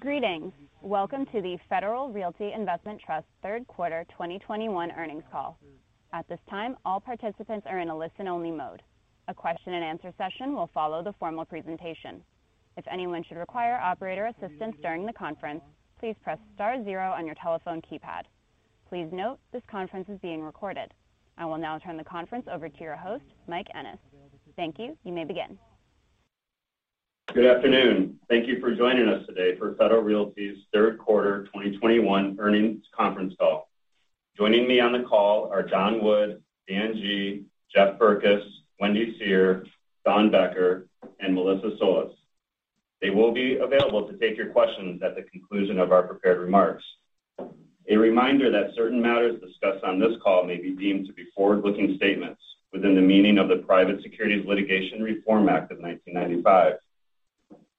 Greetings. Welcome to the Federal Realty Investment Trust Q3 2021 earnings call. At this time, all participants are in a listen-only mode. A question and answer session will follow the formal presentation. If anyone should require operator assistance during the conference, please press star zero on your telephone keypad. Please note this conference is being recorded. I will now turn the conference over to your host, Mike Ennes. Thank you. You may begin. Good afternoon. Thank you for joining us today for Federal Realty's Q3 2021 earnings conference call. Joining me on the call are Don Wood, Dan Gee, Jeff Berkes, Wendy Seher, Don Becker, and Melissa Solis. They will be available to take your questions at the conclusion of our prepared remarks. A reminder that certain matters discussed on this call may be deemed to be forward-looking statements within the meaning of the Private Securities Litigation Reform Act of 1995.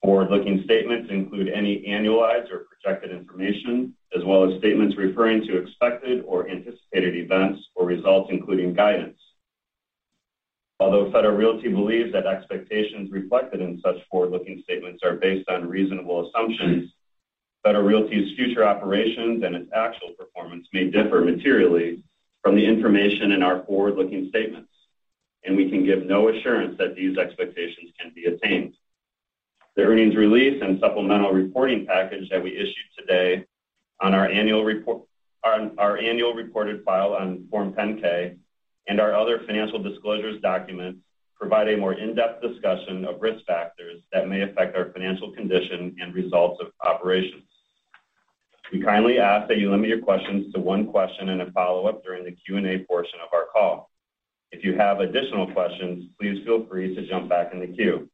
Forward-looking statements include any annualized or projected information, as well as statements referring to expected or anticipated events or results, including guidance. Although Federal Realty believes that expectations reflected in such forward-looking statements are based on reasonable assumptions, Federal Realty's future operations and its actual performance may differ materially from the information in our forward-looking statements, and we can give no assurance that these expectations can be attained. The earnings release and supplemental reporting package that we issued today on our annual report filed on Form 10-K and our other financial disclosure documents provide a more in-depth discussion of risk factors that may affect our financial condition and results of operations. We kindly ask that you limit your questions to one question and a follow-up during the Q&A portion of our call. If you have additional questions, please feel free to jump back in the queue.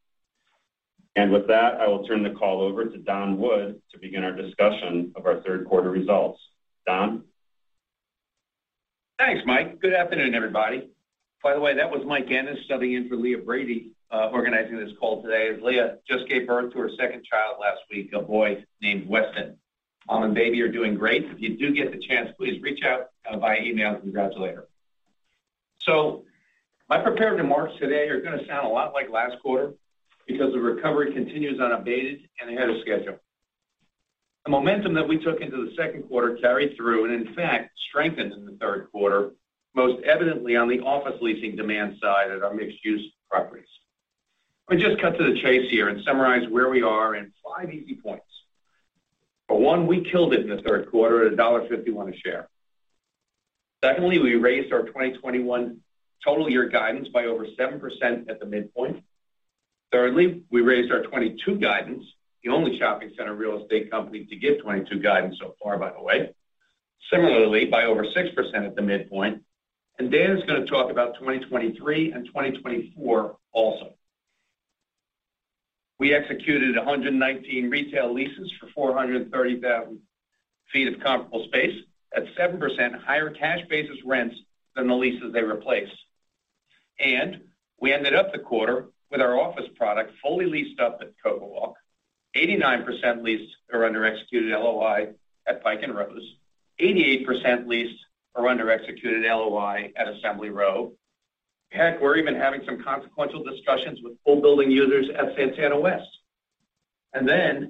With that, I will turn the call over to Don Wood to begin our discussion of our Q3 results. Don? Thanks, Mike. Good afternoon, everybody. By the way, that was Mike Ennes subbing in for Leah Brady, organizing this call today, as Leah just gave birth to her second child last week, a boy named Weston. Mom and baby are doing great. If you do get the chance, please reach out by email to congratulate her. My prepared remarks today are going to sound a lot like last quarter because the recovery continues unabated and ahead of schedule. The momentum that we took into the Q2 carried through and in fact strengthened in the Q3, most evidently on the office leasing demand side at our mixed use properties. Let me just cut to the chase here and summarize where we are in five easy points. For one, we killed it in the Q3 at $1.51 a share. Secondly, we raised our 2021 total year guidance by over 7% at the midpoint. Thirdly, we raised our 2022 guidance, the only shopping center real estate company to give 2022 guidance so far, by the way. Similarly, by over 6% at the midpoint. Dan is going to talk about 2023 and 2024 also. We executed 119 retail leases for 430,000 feet of comparable space at 7% higher cash basis rents than the leases they replaced. We ended up the quarter with our office product fully leased up at CocoWalk. 89% leased or under executed LOI at Pike & Rose. 88% leased or under executed LOI at Assembly Row. Heck, we're even having some consequential discussions with full building users at Santana West.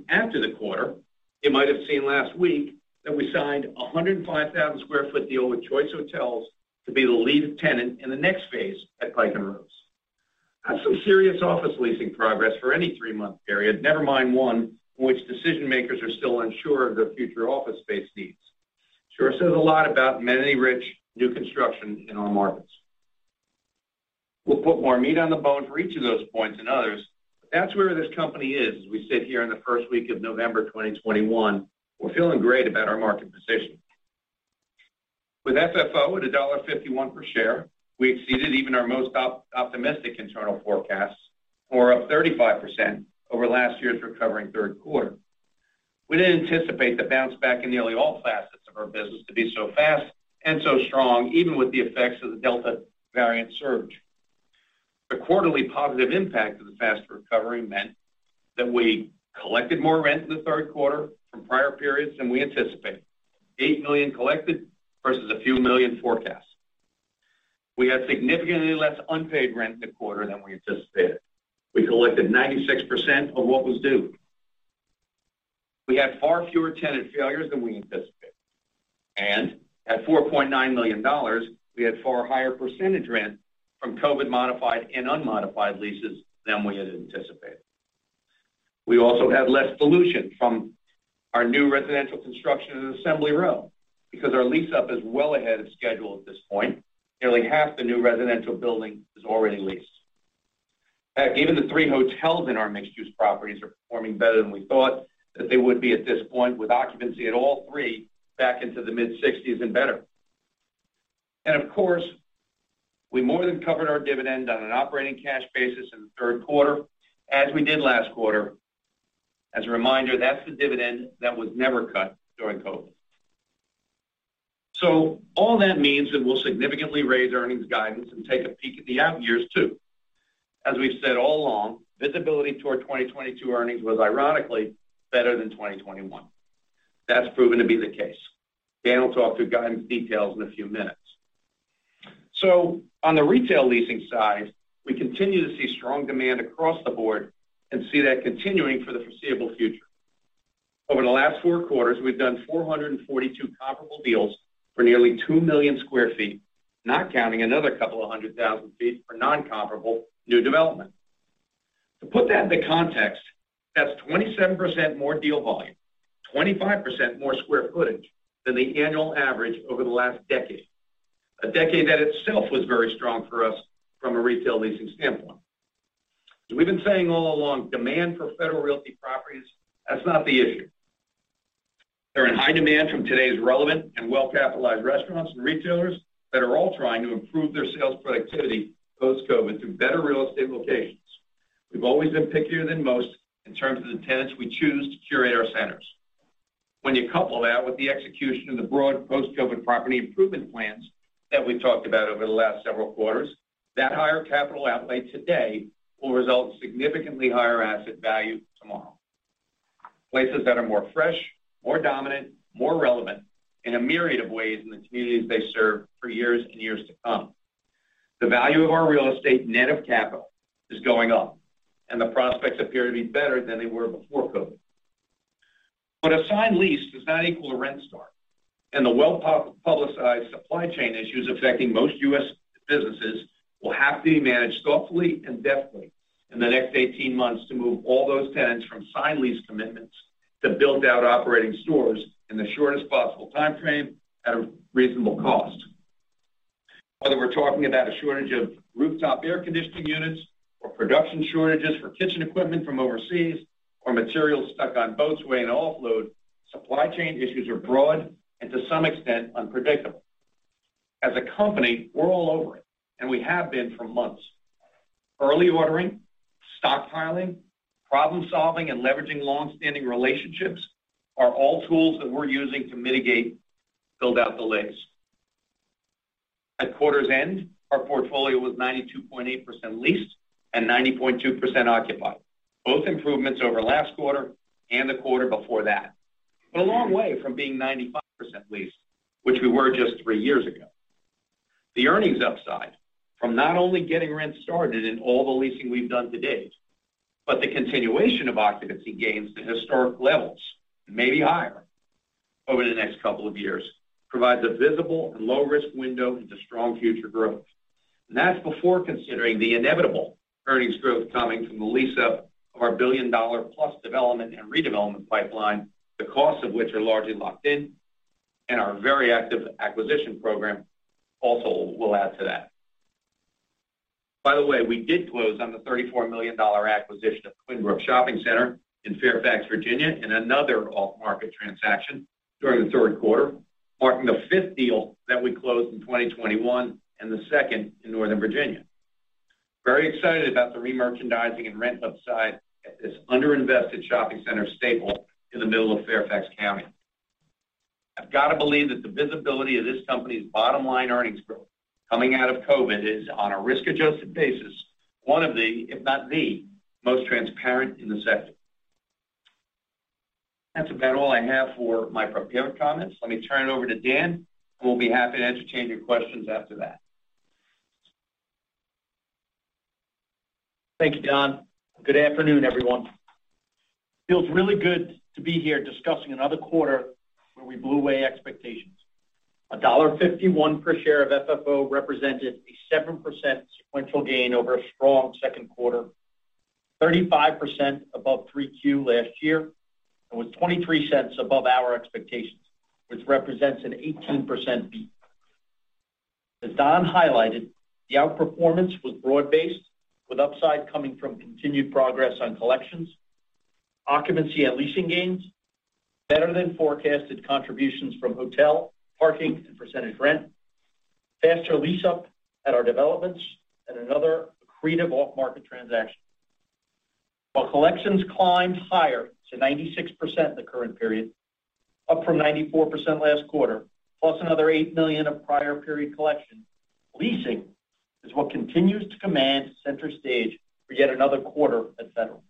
After the quarter, you might have seen last week that we signed a 105,000 sq ft deal with Choice Hotels to be the lead tenant in the next phase at Pike & Rose. That's some serious office leasing progress for any three-month period. Never mind one in which decision makers are still unsure of their future office space needs. It sure says a lot about amenity-rich new construction in our markets. We'll put more meat on the bone for each of those points and others. That's where this company is as we sit here in the first week of November 2021. We're feeling great about our market position. With FFO at $1.51 per share, we exceeded even our most optimistic internal forecasts, core up 35% over last year's recovering Q3. We didn't anticipate the bounce back in nearly all facets of our business to be so fast and so strong, even with the effects of the Delta variant surge. The quarterly positive impact of the faster recovery meant that we collected more rent in the Q3 from prior periods than we anticipated. $8 million collected versus a few million forecast. We had significantly less unpaid rent in the quarter than we anticipated. We collected 96% of what was due. We had far fewer tenant failures than we anticipated, and at $4.9 million, we had far higher percentage rent from COVID modified and unmodified leases than we had anticipated. We also had less dilution from our new residential construction in Assembly Row because our lease up is well ahead of schedule at this point. Nearly half the new residential building is already leased. Heck, even the three hotels in our mixed use properties are performing better than we thought that they would be at this point, with occupancy at all three back into the mid-60s% and better. Of course, we more than covered our dividend on an operating cash basis in the Q3, as we did last quarter. As a reminder, that's the dividend that was never cut during COVID. All that means that we'll significantly raise earnings guidance and take a peek at the out years too. As we've said all along, visibility toward 2022 earnings was ironically better than 2021. That's proven to be the case. Dan will talk through guidance details in a few minutes. On the retail leasing side, we continue to see strong demand across the board and see that continuing for the foreseeable future. Over the last 4 quarters, we've done 442 comparable deals for nearly 2 million sq ft, not counting another couple of 100,000 sq ft for non-comparable new development. To put that into context, that's 27% more deal volume, 25% more square footage than the annual average over the last decade. A decade that itself was very strong for us from a retail leasing standpoint. As we've been saying all along, demand for Federal Realty properties, that's not the issue. They're in high demand from today's relevant and well-capitalized restaurants and retailers that are all trying to improve their sales productivity post-COVID through better real estate locations. We've always been pickier than most in terms of the tenants we choose to curate our centers. When you couple that with the execution of the broad post-COVID property improvement plans that we've talked about over the last several quarters, that higher capital outlay today will result in significantly higher asset value tomorrow, places that are more fresh, more dominant, more relevant in a myriad of ways in the communities they serve for years and years to come. The value of our real estate net of capital is going up, and the prospects appear to be better than they were before COVID. A signed lease does not equal a rent start, and the well-publicized supply chain issues affecting most U.S. businesses will have to be managed thoughtfully and deftly in the next 18 months to move all those tenants from signed lease commitments to build-out operating stores in the shortest possible time frame at a reasonable cost. Whether we're talking about a shortage of rooftop air conditioning units or production shortages for kitchen equipment from overseas or materials stuck on boats waiting to offload, supply chain issues are broad and to some extent unpredictable. As a company, we're all over it, and we have been for months. Early ordering, stockpiling, problem-solving, and leveraging long-standing relationships are all tools that we're using to mitigate build-out delays. At quarter's end, our portfolio was 92.8% leased and 90.2% occupied, both improvements over last quarter and the quarter before that. We're a long way from being 95% leased, which we were just three years ago. The earnings upside from not only getting rent started in all the leasing we've done to date, but the continuation of occupancy gains to historic levels, maybe higher over the next couple of years, provides a visible and low-risk window into strong future growth. That's before considering the inevitable earnings growth coming from the lease-up of our billion-dollar-plus development and redevelopment pipeline, the costs of which are largely locked in, and our very active acquisition program also will add to that. By the way, we did close on the $34 million acquisition of Twinbrooke Shopping Center in Fairfax, Virginia, in another off-market transaction during the Q3, marking the fifth deal that we closed in 2021 and the second in Northern Virginia. Very excited about the remerchandising and rent upside at this underinvested shopping center staple in the middle of Fairfax County. I've got to believe that the visibility of this company's bottom-line earnings growth coming out of COVID is, on a risk-adjusted basis, one of the, if not the, most transparent in the sector. That's about all I have for my prepared comments. Let me turn it over to Dan, and we'll be happy to entertain your questions after that. Thank you, Don. Good afternoon, everyone. Feels really good to be here discussing another quarter where we blew away expectations. $1.51 per share of FFO represented a 7% sequential gain over a strong Q2, 35% above 3Q last year, and was $0.23 above our expectations, which represents an 18% beat. As Don highlighted, the outperformance was broad-based, with upside coming from continued progress on collections, occupancy and leasing gains, better than forecasted contributions from hotel, parking, and percentage rent, faster lease-up at our developments, and another accretive off-market transaction. While collections climbed higher to 96% in the current period, up from 94% last quarter, plus another $8 million of prior period collection, leasing is what continues to command center stage for yet another quarter at Federal.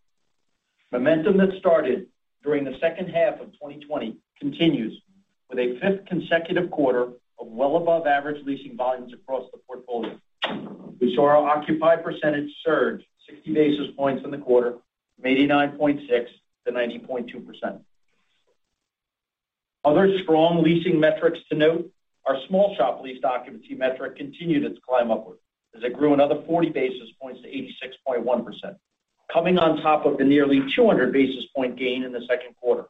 Momentum that started during the second half of 2020 continues with a 5th consecutive quarter of well above average leasing volumes across the portfolio. We saw our occupied percentage surge 60 basis points in the quarter from 89.6% to 90.2%. Other strong leasing metrics to note, our small shop lease occupancy metric continued its climb upward as it grew another 40 basis points to 86.1%, coming on top of the nearly 200 basis point gain in the Q2.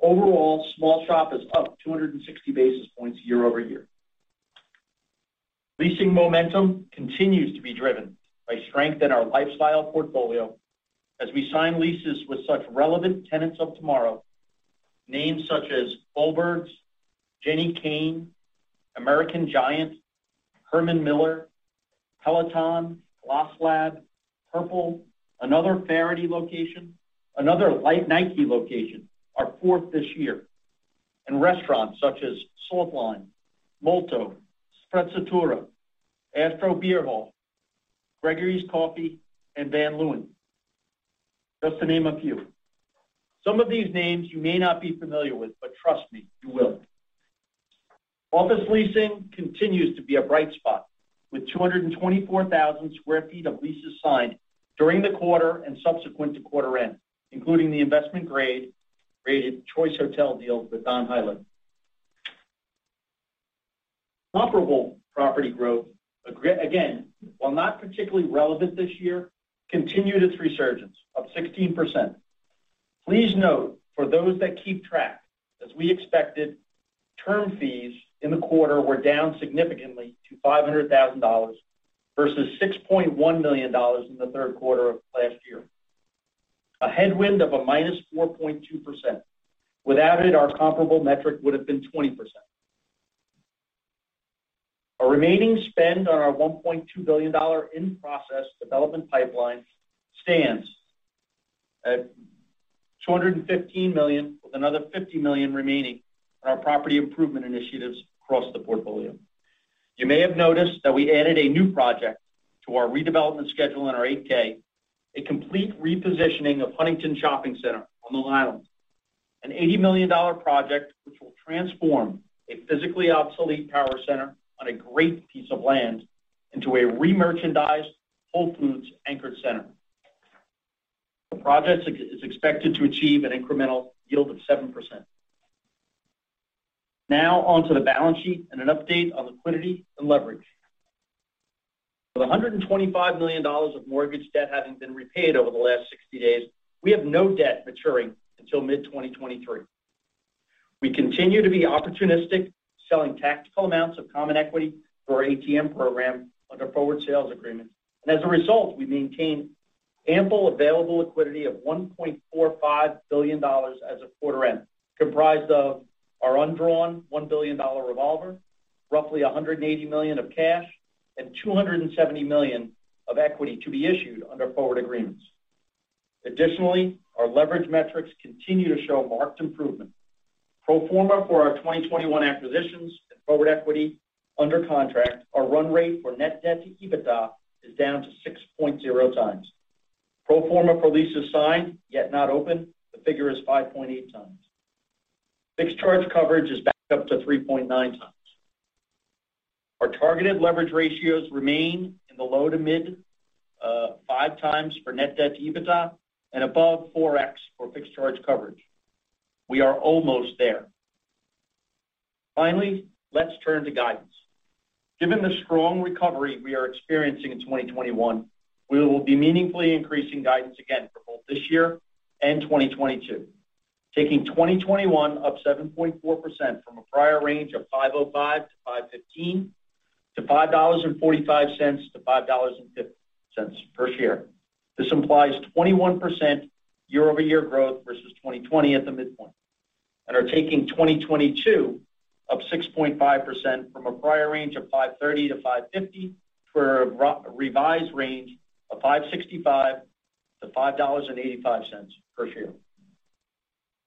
Overall, small shop is up 260 basis points year-over-year. Leasing momentum continues to be driven by strength in our lifestyle portfolio as we sign leases with such relevant tenants of tomorrow. Names such as Whole Foods, Jenni Kayne, American Giant, Herman Miller, Peloton, GLOSSLAB, Purple, another Faherty location, another like Nike location, our fourth this year, and restaurants such as The Salt Line, Molto, Sprezzatura, Astro Beer Hall, Gregorys Coffee, and Van Leeuwen. Just to name a few. Some of these names you may not be familiar with, but trust me, you will. Office leasing continues to be a bright spot, with 224,000 sq ft of leases signed during the quarter and subsequent to quarter end, including the investment-grade Choice Hotel deals with Don Highland. Comparable property growth, again, while not particularly relevant this year, continued its resurgence of 16%. Please note, for those that keep track, as we expected, term fees in the quarter were down significantly to $500,000 versus $6.1 million in the Q3 of last year. A headwind of -4.2%. Without it, our comparable metric would have been 20%. Our remaining spend on our $1.2 billion in-process development pipeline stands at $215 million, with another $50 million remaining on our property improvement initiatives across the portfolio. You may have noticed that we added a new project to our redevelopment schedule in our 8-K, a complete repositioning of Huntington Shopping Center on Long Island. An $80 million project which will transform a physically obsolete power center on a great piece of land into a re-merchandised Whole Foods anchored center. The project is expected to achieve an incremental yield of 7%. Now on to the balance sheet and an update on liquidity and leverage. With $125 million of mortgage debt having been repaid over the last 60 days, we have no debt maturing until mid-2023. We continue to be opportunistic, selling tactical amounts of common equity through our ATM program under forward sales agreements. As a result, we maintain ample available liquidity of $1.45 billion as of quarter end, comprised of our undrawn $1 billion revolver, roughly $180 million of cash, and $270 million of equity to be issued under forward agreements. Additionally, our leverage metrics continue to show marked improvement. Pro forma for our 2021 acquisitions and forward equity under contract, our run rate for net debt to EBITDA is down to 6.0x. Pro forma for leases signed, yet not open, the figure is 5.8x. Fixed charge coverage is back up to 3.9x. Our targeted leverage ratios remain in the low to mid 5x for net debt to EBITDA and above 4x for fixed charge coverage. We are almost there. Finally, let's turn to guidance. Given the strong recovery we are experiencing in 2021, we will be meaningfully increasing guidance again for both this year and 2022. Taking 2021 up 7.4% from a prior range of $5.05-5.15 to $5.45-5.50 per share. This implies 21% year-over-year growth vs 2020 at the midpoint, and are taking 2022 up 6.5% from a prior range of $5.30-5.50 to a revised range of $5.65-5.85 per share.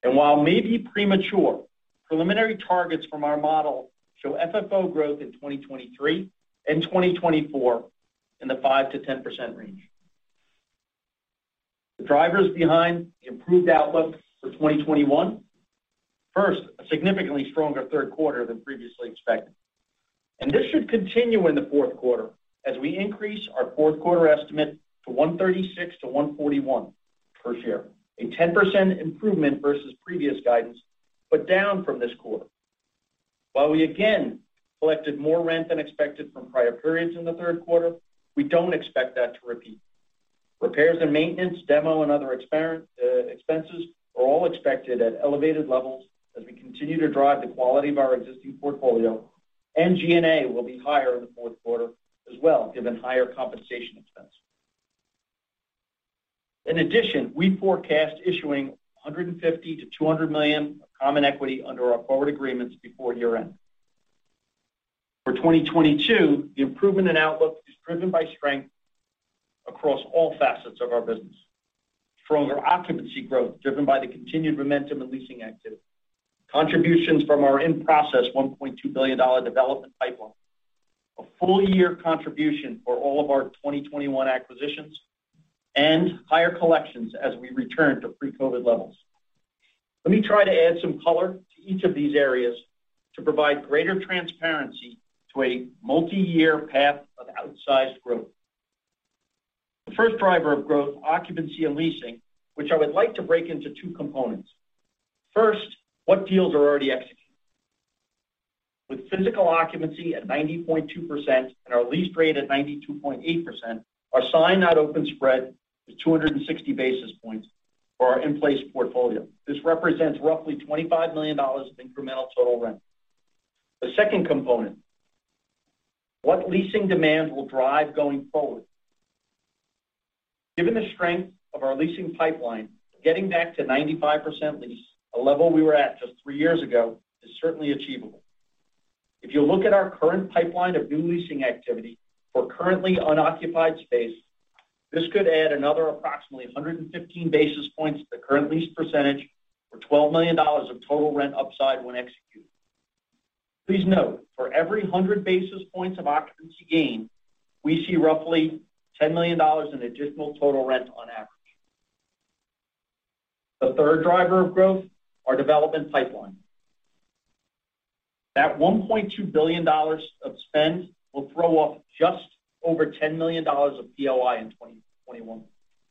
While maybe premature, preliminary targets from our model show FFO growth in 2023 and 2024 in the 5%-10% range. The drivers behind the improved outlook for 2021, first, a significantly stronger Q3 than previously expected. This should continue in the Q4 as we increase our Q4 estimate to $1.36-1.41 per share. A 10% improvement versus previous guidance, but down from this quarter. While we again collected more rent than expected from prior periods in the Q3, we don't expect that to repeat. Repairs and maintenance, demo and other expenses are all expected at elevated levels as we continue to drive the quality of our existing portfolio, and G&A will be higher in the Q4 as well, given higher compensation expense. In addition, we forecast issuing $150-200 million of common equity under our forward agreements before year-end. For 2022, the improvement in outlook is driven by strength across all facets of our business. Stronger occupancy growth, driven by the continued momentum in leasing activity. Contributions from our in-process $1.2 billion development pipeline. A full year contribution for all of our 2021 acquisitions. Higher collections as we return to pre-COVID levels. Let me try to add some color to each of these areas to provide greater transparency to a multiyear path of outsized growth. The first driver of growth, occupancy and leasing, which I would like to break into two components. First, what deals are already executed? With physical occupancy at 90.2% and our lease rate at 92.8%, our signed not open spread is 260 basis points for our in-place portfolio. This represents roughly $25 million of incremental total rent. The second component, what leasing demand will drive going forward? Given the strength of our leasing pipeline, getting back to 95% lease, a level we were at just three years ago, is certainly achievable. If you look at our current pipeline of new leasing activity for currently unoccupied space, this could add another approximately 115 basis points to the current lease percentage for $12 million of total rent upside when executed. Please note, for every 100 basis points of occupancy gain, we see roughly $10 million in additional total rent on average. The third driver of growth, our development pipeline. That $1.2 billion of spend will throw off just over $10 million of POI in 2021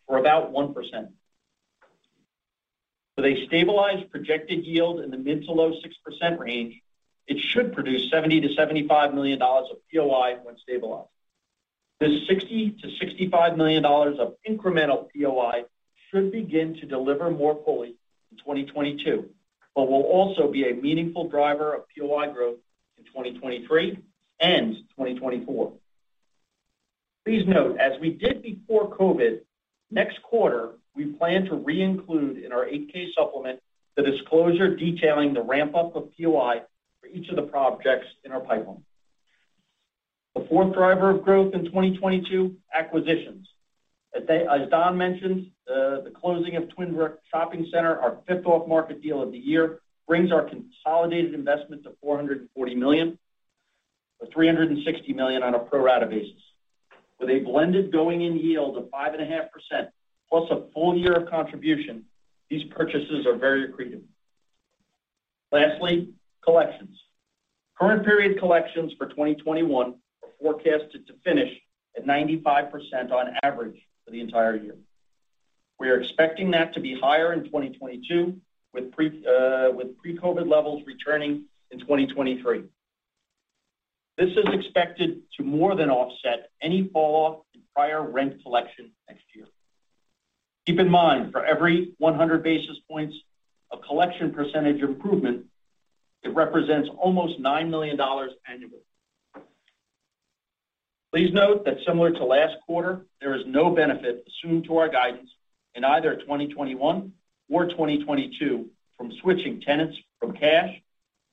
for about 1%. With a stabilized projected yield in the mid- to low-6% range, it should produce $70-75 million of POI when stabilized. This $60-65 million of incremental POI should begin to deliver more fully in 2022, but will also be a meaningful driver of POI growth in 2023 and 2024. Please note, as we did before COVID, next quarter, we plan to re-include in our 8-K supplement the disclosure detailing the ramp-up of POI for each of the projects in our pipeline. The fourth driver of growth in 2022, acquisitions. As Don mentioned, the closing of Twinbrooke Shopping Centre, our fifth off-market deal of the year, brings our consolidated investment to $440 million, with $360 million on a pro rata basis. With a blended going-in yield of 5.5% plus a full year of contribution, these purchases are very accretive. Lastly, collections. Current period collections for 2021 are forecasted to finish at 95% on average for the entire year. We are expecting that to be higher in 2022 with pre-COVID levels returning in 2023. This is expected to more than offset any fall off in prior rent collection next year. Keep in mind, for every 100 basis points of collection percentage improvement, it represents almost $9 million annually. Please note that similar to last quarter, there is no benefit assumed to our guidance in either 2021 or 2022 from switching tenants from cash basis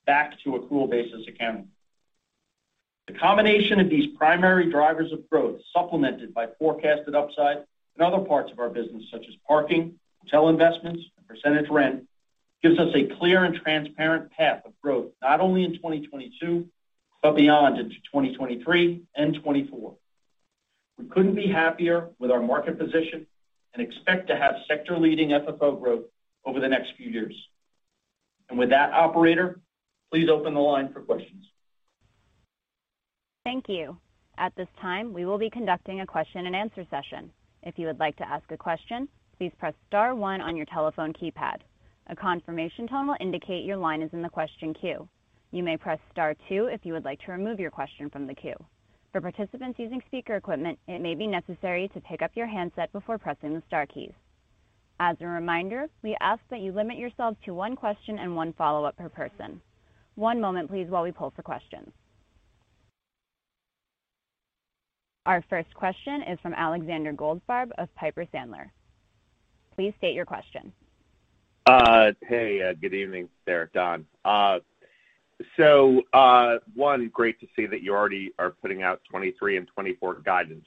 back to accrual basis accounting. The combination of these primary drivers of growth, supplemented by forecasted upside in other parts of our business, such as parking, hotel investments, and percentage rent, gives us a clear and transparent path of growth, not only in 2022, but beyond into 2023 and 2024. We couldn't be happier with our market position and expect to have sector leading FFO growth over the next few years. With that, operator, please open the line for questions. Thank you. At this time, we will be conducting a question and answer session. If you would like to ask a question, please press star one on your telephone keypad. A confirmation tone will indicate your line is in the question queue. You may press star two if you would like to remove your question from the queue. For participants using speaker equipment, it may be necessary to pick up your handset before pressing the star keys. As a reminder, we ask that you limit yourself to one question and one follow-up per person. One moment, please, while we poll for questions. Our first question is from Alexander Goldfarb of Piper Sandler. Please state your question. Hey, good evening, Sarah, Don. Great to see that you already are putting out 2023 and 2024 guidance.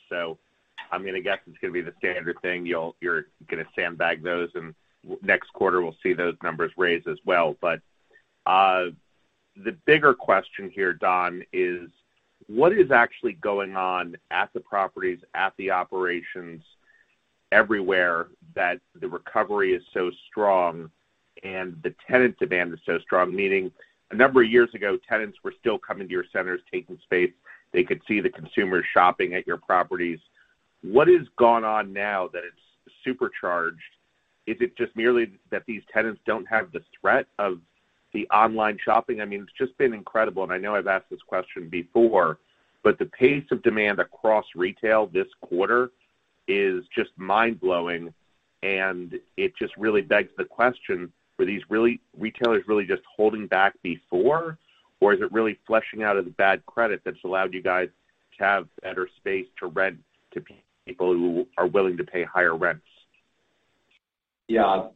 I'm gonna guess it's gonna be the standard thing. You're gonna sandbag those, and next quarter, we'll see those numbers raised as well. The bigger question here, Don, is what is actually going on at the properties, at the operations everywhere that the recovery is so strong and the tenant demand is so strong? Meaning a number of years ago, tenants were still coming to your centers, taking space. They could see the consumers shopping at your properties. What has gone on now that it's supercharged? Is it just merely that these tenants don't have the threat of the online shopping? I mean, it's just been incredible, and I know I've asked this question before, but the pace of demand across retail this quarter is just mind-blowing, and it just really begs the question, were retailers really just holding back before, or is it really flushing out of the bad credit that's allowed you guys to have better space to rent to people who are willing to pay higher rents? Yeah.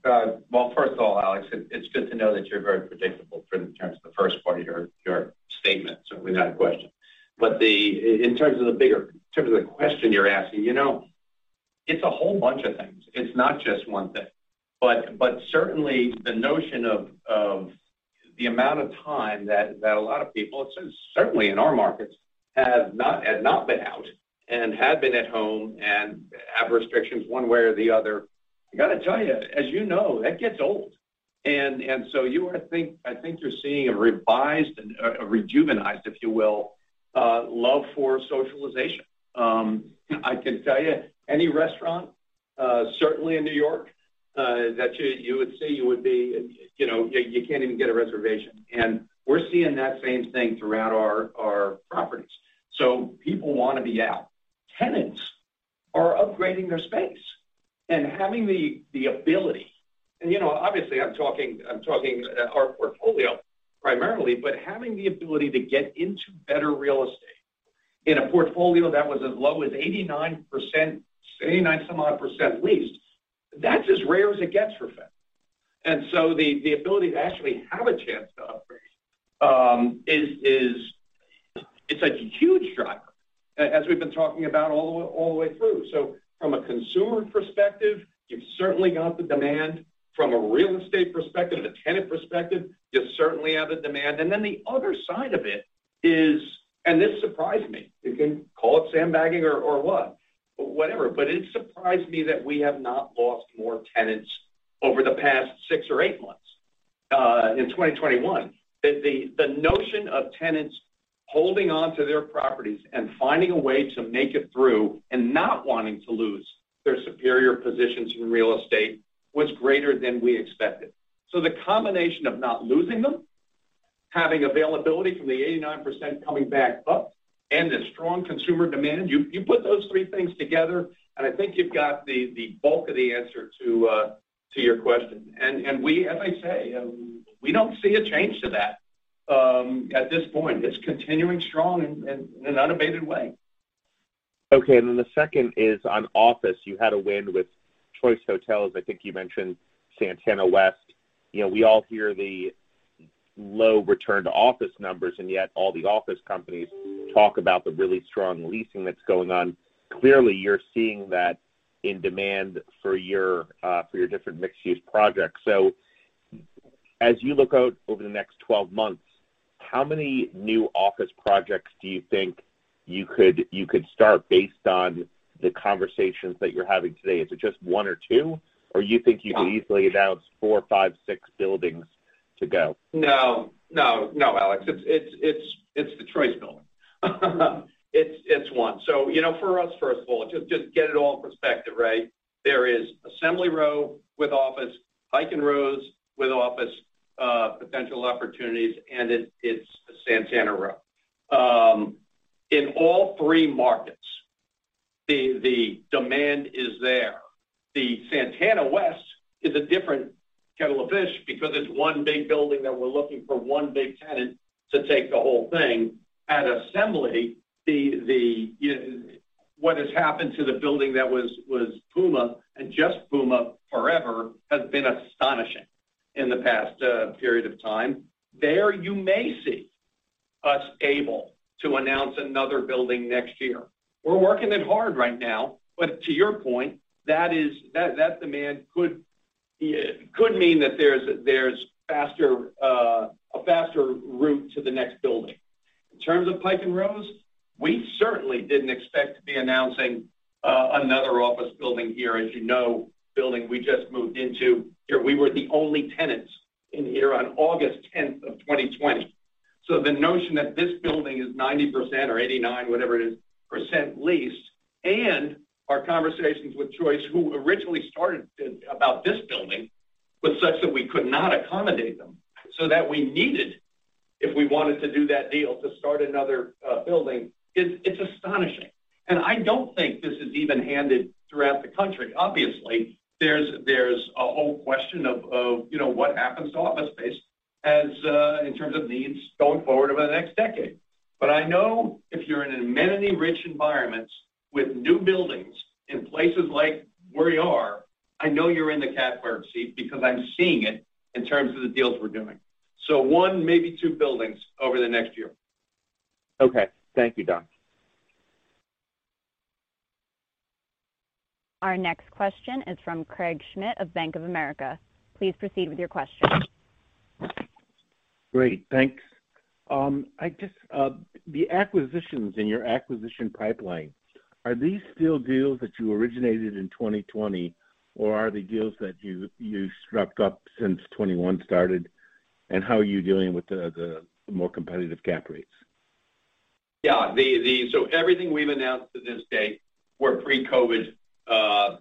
Well, first of all, Alex, it's good to know that you're very predictable in terms of the first part of your statement, so without a question. In terms of the question you're asking, you know, it's a whole bunch of things. It's not just one thing. Certainly the notion of the amount of time that a lot of people, certainly in our markets, had not been out and had been at home and have restrictions one way or the other. I gotta tell you, as you know, that gets old. I think you're seeing a revised and a rejuvenated, if you will, love for socialization. I can tell you any restaurant certainly in New York that you would see would be, you know, you can't even get a reservation. We're seeing that same thing throughout our properties. People wanna be out. Tenants are upgrading their space and having the ability, and you know, obviously I'm talking our portfolio primarily, but having the ability to get into better real estate in a portfolio that was as low as 89-some-odd% leased, that's as rare as it gets for Fed. The ability to actually have a chance to upgrade is It's a huge driver, as we've been talking about all the way through. From a consumer perspective, you've certainly got the demand. From a real estate perspective, the tenant perspective, you certainly have a demand. The other side of it is. This surprised me. You can call it sandbagging or what. Whatever, but it surprised me that we have not lost more tenants over the past 6 or 8 months in 2021. The notion of tenants holding onto their properties and finding a way to make it through and not wanting to lose their superior positions in real estate was greater than we expected. The combination of not losing them, having availability from the 89% coming back up, and the strong consumer demand, you put those three things together, and I think you've got the bulk of the answer to your question. We, as I say, don't see a change to that at this point. It's continuing strong in an unabated way. Okay. The second is on office. You had a win with Choice Hotels. I think you mentioned Santana West. You know, we all hear the low return to office numbers, and yet all the office companies talk about the really strong leasing that's going on. Clearly, you're seeing that in demand for your for your different mixed-use projects. As you look out over the next 12 months, how many new office projects do you think you could start based on the conversations that you're having today? Is it just one or two, or you think you could easily announce four, five, six buildings to go? No, Alex. It's the Choice building. It's one. So, you know, for us, first of all, just get it all in perspective, right? There is Assembly Row with office, Pike & Rose with office, potential opportunities, and it's Santana Row. In all three markets, the demand is there. The Santana West is a different kettle of fish because it's one big building that we're looking for one big tenant to take the whole thing. At Assembly, what has happened to the building that was PUMA and just PUMA forever has been astonishing in the past period of time. There, you may see us able to announce another building next year. We're working it hard right now. To your point, that demand could mean that there's a faster route to the next building. In terms of Pike & Rose, we certainly didn't expect to be announcing another office building here. As you know, the building we just moved into, we were the only tenants in here on August tenth of 2020. So the notion that this building is 90% or 89% leased, whatever it is, and our conversations with Choice, who originally started about this building, was such that we could not accommodate them, so that we needed, if we wanted to do that deal, to start another building. It's astonishing. I don't think this is even-handed throughout the country. Obviously, there's a whole question of you know, what happens to office space in terms of needs going forward over the next decade. I know if you're in amenity-rich environments with new buildings in places like where you are, I know you're in the catbird seat because I'm seeing it in terms of the deals we're doing. 1, maybe 2 buildings over the next year. Okay. Thank you, Don. Our next question is from Craig Schmidt of Bank of America. Please proceed with your question. Great. Thanks. I guess, the acquisitions in your acquisition pipeline, are these still deals that you originated in 2020, or are they deals that you struck up since 2021 started? How are you dealing with the more competitive cap rates? Everything we've announced to this date were pre-COVID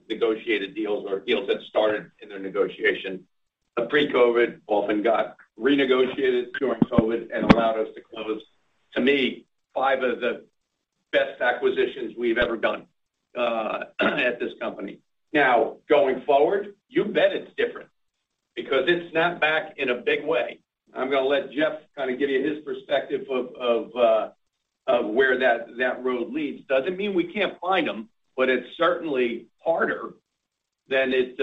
negotiated deals or deals that started in their negotiation. Pre-COVID often got renegotiated during COVID and allowed us to close, to me, 5 of the best acquisitions we've ever done at this company. Now, going forward, you bet it's different because it snapped back in a big way. I'm gonna let Jeff kind of give you his perspective of where that road leads. Doesn't mean we can't find them, but it's certainly harder than it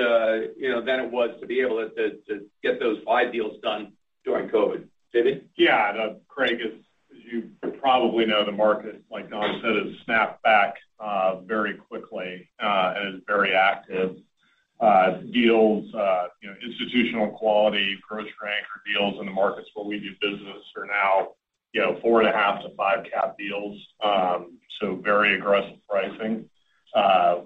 was to be able to get those 5 deals done during COVID. David? Yeah. Craig, as you probably know, the market, like Don said, has snapped back very quickly and is very active. Deals, you know, institutional quality, pro strength deals in the markets where we do business are now, you know, 4.5%-5% cap deals, so very aggressive pricing.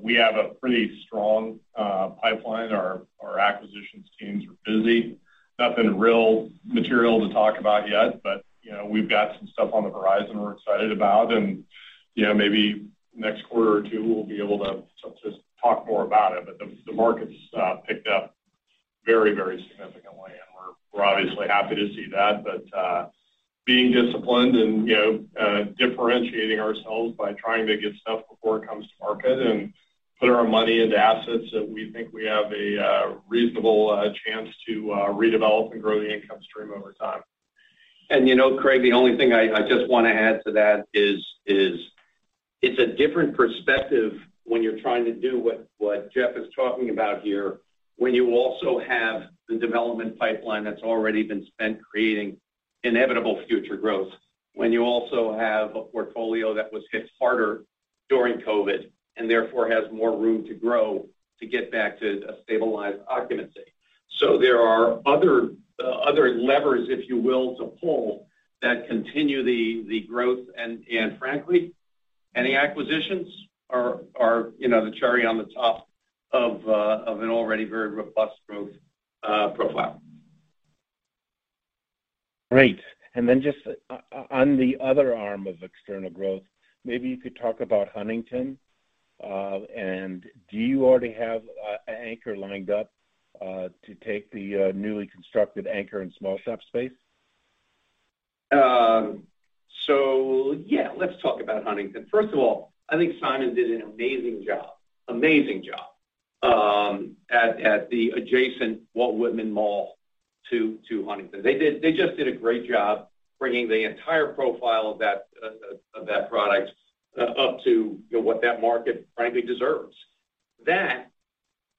We have a pretty strong pipeline. Our acquisitions teams are busy. Nothing real material to talk about yet, but, you know, we've got some stuff on the horizon we're excited about. And, you know, maybe next quarter or two, we'll be able to just talk more about it. But the market's picked up very, very significantly, and we're obviously happy to see that. Being disciplined and, you know, differentiating ourselves by trying to get stuff before it comes to market and put our money into assets that we think we have a reasonable chance to redevelop and grow the income stream over time. You know, Craig, the only thing I just wanna add to that is. It's a different perspective when you're trying to do what Jeff is talking about here, when you also have the development pipeline that's already been spent creating inevitable future growth, when you also have a portfolio that was hit harder during COVID, and therefore has more room to grow to get back to a stabilized occupancy. There are other levers, if you will, to pull that continue the growth. Frankly, any acquisitions are, you know, the cherry on the top of an already very robust growth profile. Great. Just on the other arm of external growth, maybe you could talk about Huntington, and do you already have a anchor lined up to take the newly constructed anchor and small shop space? Yeah, let's talk about Huntington. First of all, I think Simon did an amazing job at the adjacent Walt Whitman Mall to Huntington. They just did a great job bringing the entire profile of that product up to what that market frankly deserves. That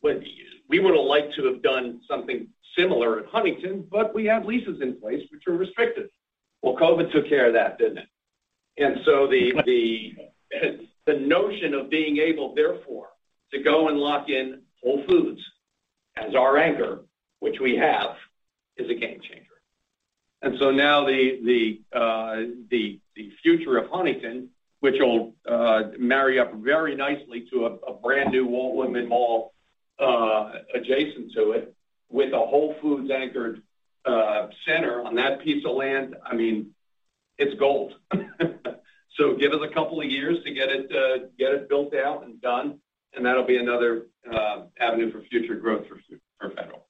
we would've liked to have done something similar at Huntington, but we have leases in place which are restricted. Well, COVID took care of that, didn't it? The notion of being able, therefore, to go and lock in Whole Foods as our anchor, which we have, is a game changer. Now the future of Huntington, which will marry up very nicely to a brand-new Walt Whitman Mall adjacent to it with a Whole Foods anchored center on that piece of land, I mean, it's gold. Give us a couple of years to get it built out and done, and that'll be another avenue for future growth for Federal.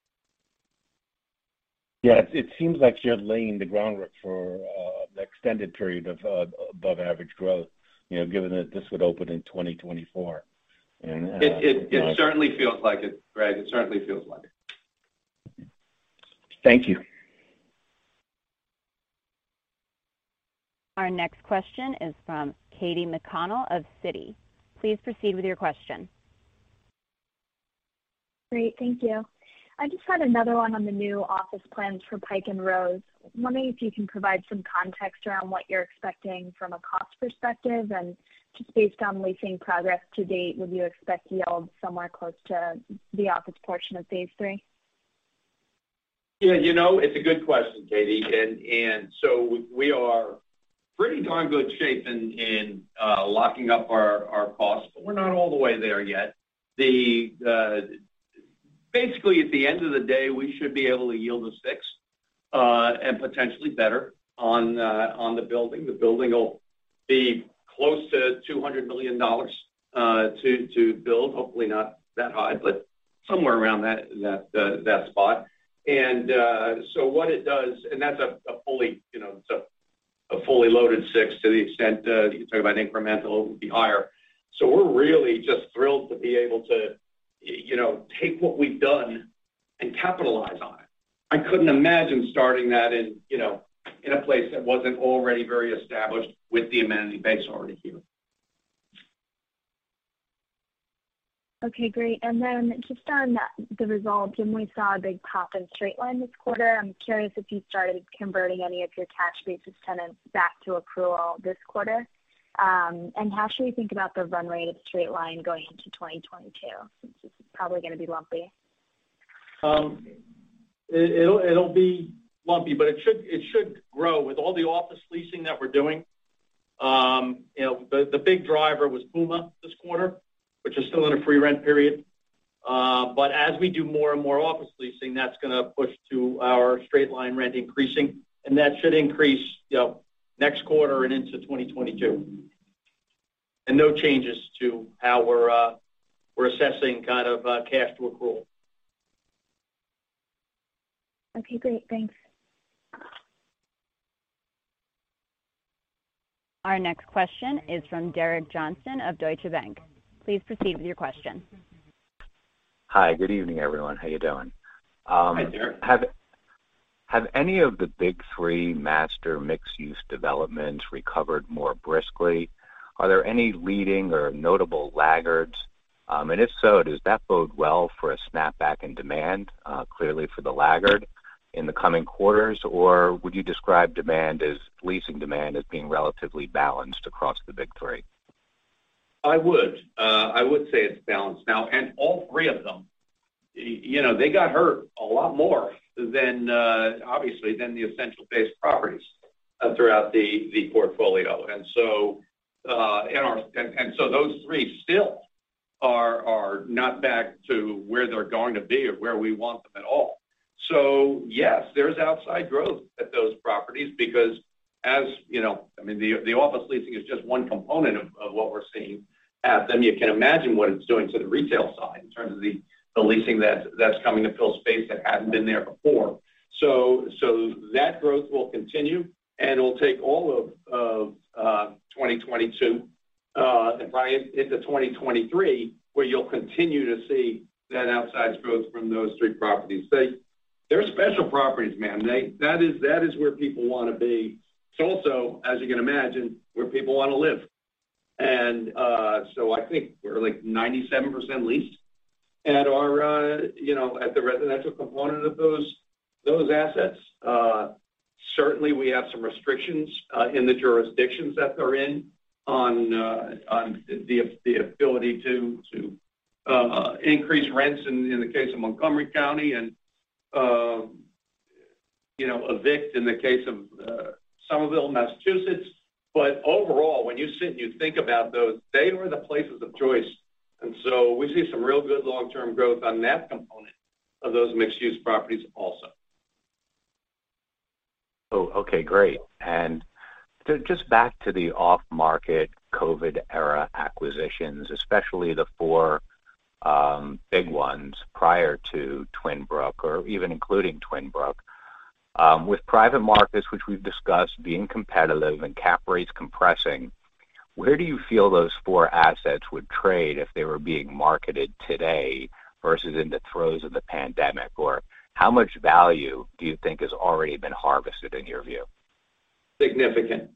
Yeah. It seems like you're laying the groundwork for an extended period of above average growth, you know, given that this would open in 2024. It certainly feels like it, Craig. It certainly feels like it. Thank you. Our next question is from Katy McConnell of Citi. Please proceed with your question. Great. Thank you. I just had another one on the new office plans for Pike & Rose. Wondering if you can provide some context around what you're expecting from a cost perspective, and just based on leasing progress to date, would you expect yield somewhere close to the office portion of phase three? Yeah. You know, it's a good question, Katy. We are in pretty darn good shape in locking up our costs, but we're not all the way there yet. Basically, at the end of the day, we should be able to yield a 6 and potentially better on the building. The building'll be close to $200 million to build. Hopefully not that high, but somewhere around that spot. What it does is a fully loaded 6 to the extent you can talk about incremental, it would be higher. We're really just thrilled to be able to take what we've done and capitalize on it. I couldn't imagine starting that in, you know, in a place that wasn't already very established with the amenity base already here. Okay, great. Then just on that, the results, and we saw a big pop in straight-line this quarter. I'm curious if you started converting any of your cash leases tenants back to accrual this quarter. How should we think about the run rate of straight-line going into 2022, since it's probably gonna be lumpy? It'll be lumpy, but it should grow with all the office leasing that we're doing. You know, the big driver was PUMA this quarter, which is still in a free rent period. But as we do more and more office leasing, that's gonna push to our straight line rent increasing, and that should increase, you know, next quarter and into 2022. No changes to how we're assessing kind of cash to accrual. Okay, great. Thanks. Our next question is from Derek Johnston of Deutsche Bank. Please proceed with your question. Hi. Good evening, everyone. How you doing? Hi, Derek. Have any of the Big Three master mixed-use developments recovered more briskly? Are there any leading or notable laggards? And if so, does that bode well for a snapback in demand, clearly for the laggard in the coming quarters? Or would you describe demand as leasing demand as being relatively balanced across the Big Three? I would. I would say it's balanced now. All three of them, you know, they got hurt a lot more than obviously than the essential-based properties throughout the portfolio. Those three still are not back to where they're going to be or where we want them at all. Yes, there's outside growth at those properties because as you know, I mean, the office leasing is just one component of what we're seeing. Then you can imagine what it's doing to the retail side in terms of the leasing that's coming to fill space that hadn't been there before. That growth will continue, and it'll take all of 2022, and probably into 2023, where you'll continue to see that outside growth from those three properties. They're special properties, man. That is where people wanna be. It's also, as you can imagine, where people wanna live. I think we're like 97% leased at our, you know, at the residential component of those assets. Certainly we have some restrictions in the jurisdictions that they're in on the ability to increase rents in the case of Montgomery County and, you know, evict in the case of Somerville, Massachusetts. Overall, when you sit and you think about those, they were the places of choice. We see some real good long-term growth on that component of those mixed-use properties also. Oh, okay. Great. Just back to the off-market COVID era acquisitions, especially the four big ones prior to Twinbrooke, or even including Twinbrooke. With private markets, which we've discussed being competitive and cap rates compressing, where do you feel those four assets would trade if they were being marketed today versus in the throes of the pandemic? Or how much value do you think has already been harvested in your view? Significant.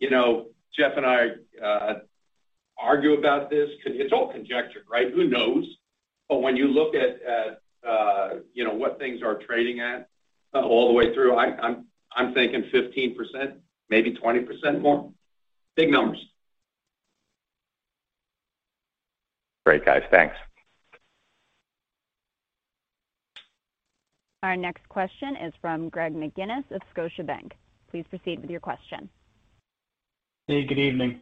You know, Jeff and I argue about this 'cause it's all conjecture, right? Who knows? When you look at what things are trading at all the way through, I'm thinking 15%, maybe 20% more. Big numbers. Great, guys. Thanks. Our next question is from Greg McGinniss of Scotiabank. Please proceed with your question. Hey, good evening.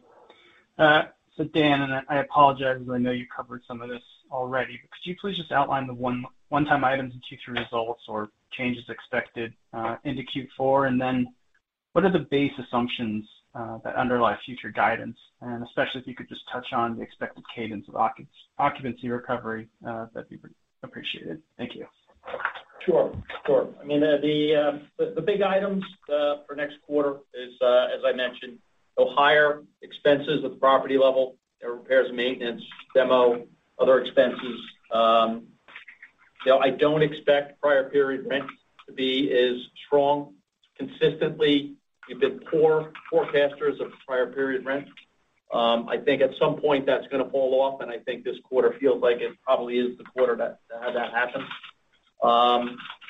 Dan, and I apologize, I know you covered some of this already, but could you please just outline the one-time items in Q3 results or changes expected into Q4? Then what are the base assumptions that underlie future guidance, and especially if you could just touch on the expected cadence of occupancy recovery, that'd be appreciated. Thank you. Sure, sure. I mean, the big items for next quarter is, as I mentioned, higher expenses at the property level, you know, repairs and maintenance, demo, other expenses. You know, I don't expect prior period rent to be as strong consistently. We've been poor forecasters of prior period rent. I think at some point that's gonna fall off, and I think this quarter feels like it probably is the quarter that'll have that happen.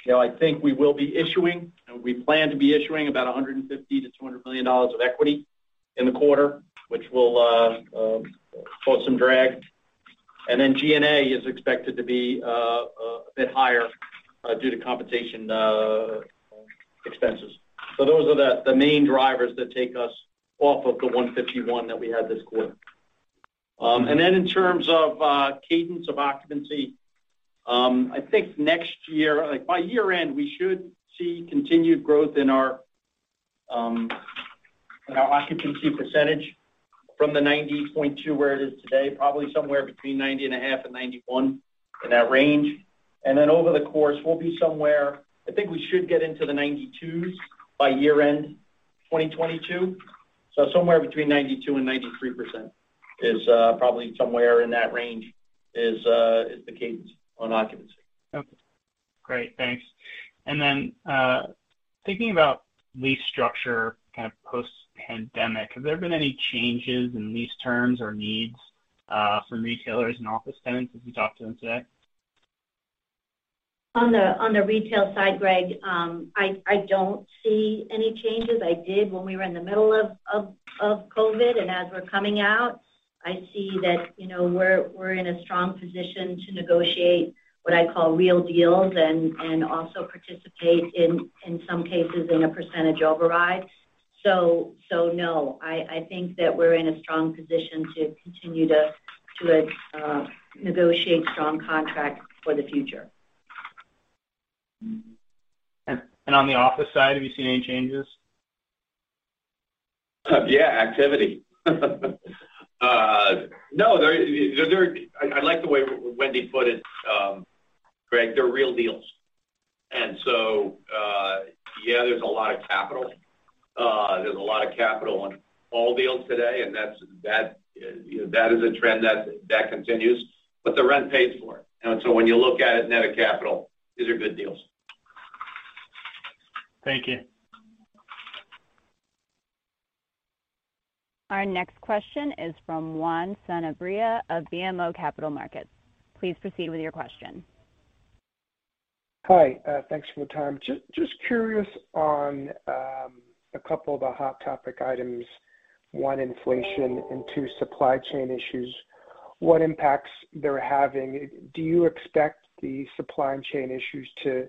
You know, I think we will be issuing, and we plan to be issuing about $150-200 million of equity in the quarter, which will cause some drag. Then G&A is expected to be a bit higher due to compensation expenses. Those are the main drivers that take us off of the 151 that we had this quarter. In terms of cadence of occupancy, I think next year—like by year end, we should see continued growth in our occupancy percentage from the 90.2 where it is today, probably somewhere between 90.5% and 91%, in that range. Then over the course, we'll be somewhere. I think we should get into the 92s by year end 2022. Somewhere between 92% and 93% is the cadence on occupancy. Okay. Great. Thanks. Thinking about lease structure kind of post-pandemic, have there been any changes in lease terms or needs from retailers and office tenants as you talk to them today? On the retail side, Greg, I don't see any changes. I did when we were in the middle of COVID. As we're coming out, I see that, you know, we're in a strong position to negotiate what I call real deals and also participate in some cases in a percentage override. So no. I think that we're in a strong position to continue to negotiate strong contracts for the future. On the office side, have you seen any changes? I like the way Wendy put it, Greg. They're real deals. There's a lot of capital on all deals today, and that's a trend that continues. The rent pays for it. When you look at it net of capital, these are good deals. Thank you. Our next question is from Juan Sanabria of BMO Capital Markets. Please proceed with your question. Hi. Thanks for the time. Just curious on a couple of the hot topic items. One, inflation, and two, supply chain issues. What impacts they're having. Do you expect the supply chain issues to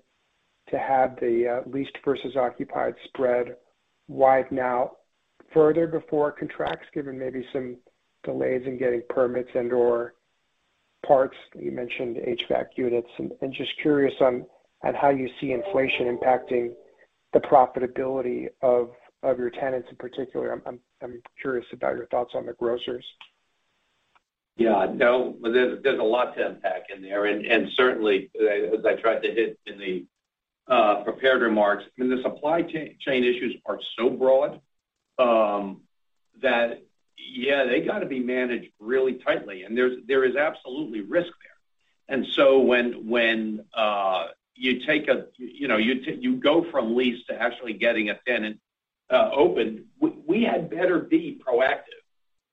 have the leased versus occupied spread widen out further before it contracts, given maybe some delays in getting permits and/or parts? You mentioned HVAC units. Just curious on how you see inflation impacting the profitability of your tenants. In particular, I'm curious about your thoughts on the grocers. Yeah, no, there's a lot to unpack in there. Certainly, as I tried to hit in the prepared remarks, I mean, the supply chain issues are so broad. They gotta be managed really tightly, and there is absolutely risk there. When you go from lease to actually getting a tenant open, we had better be proactive.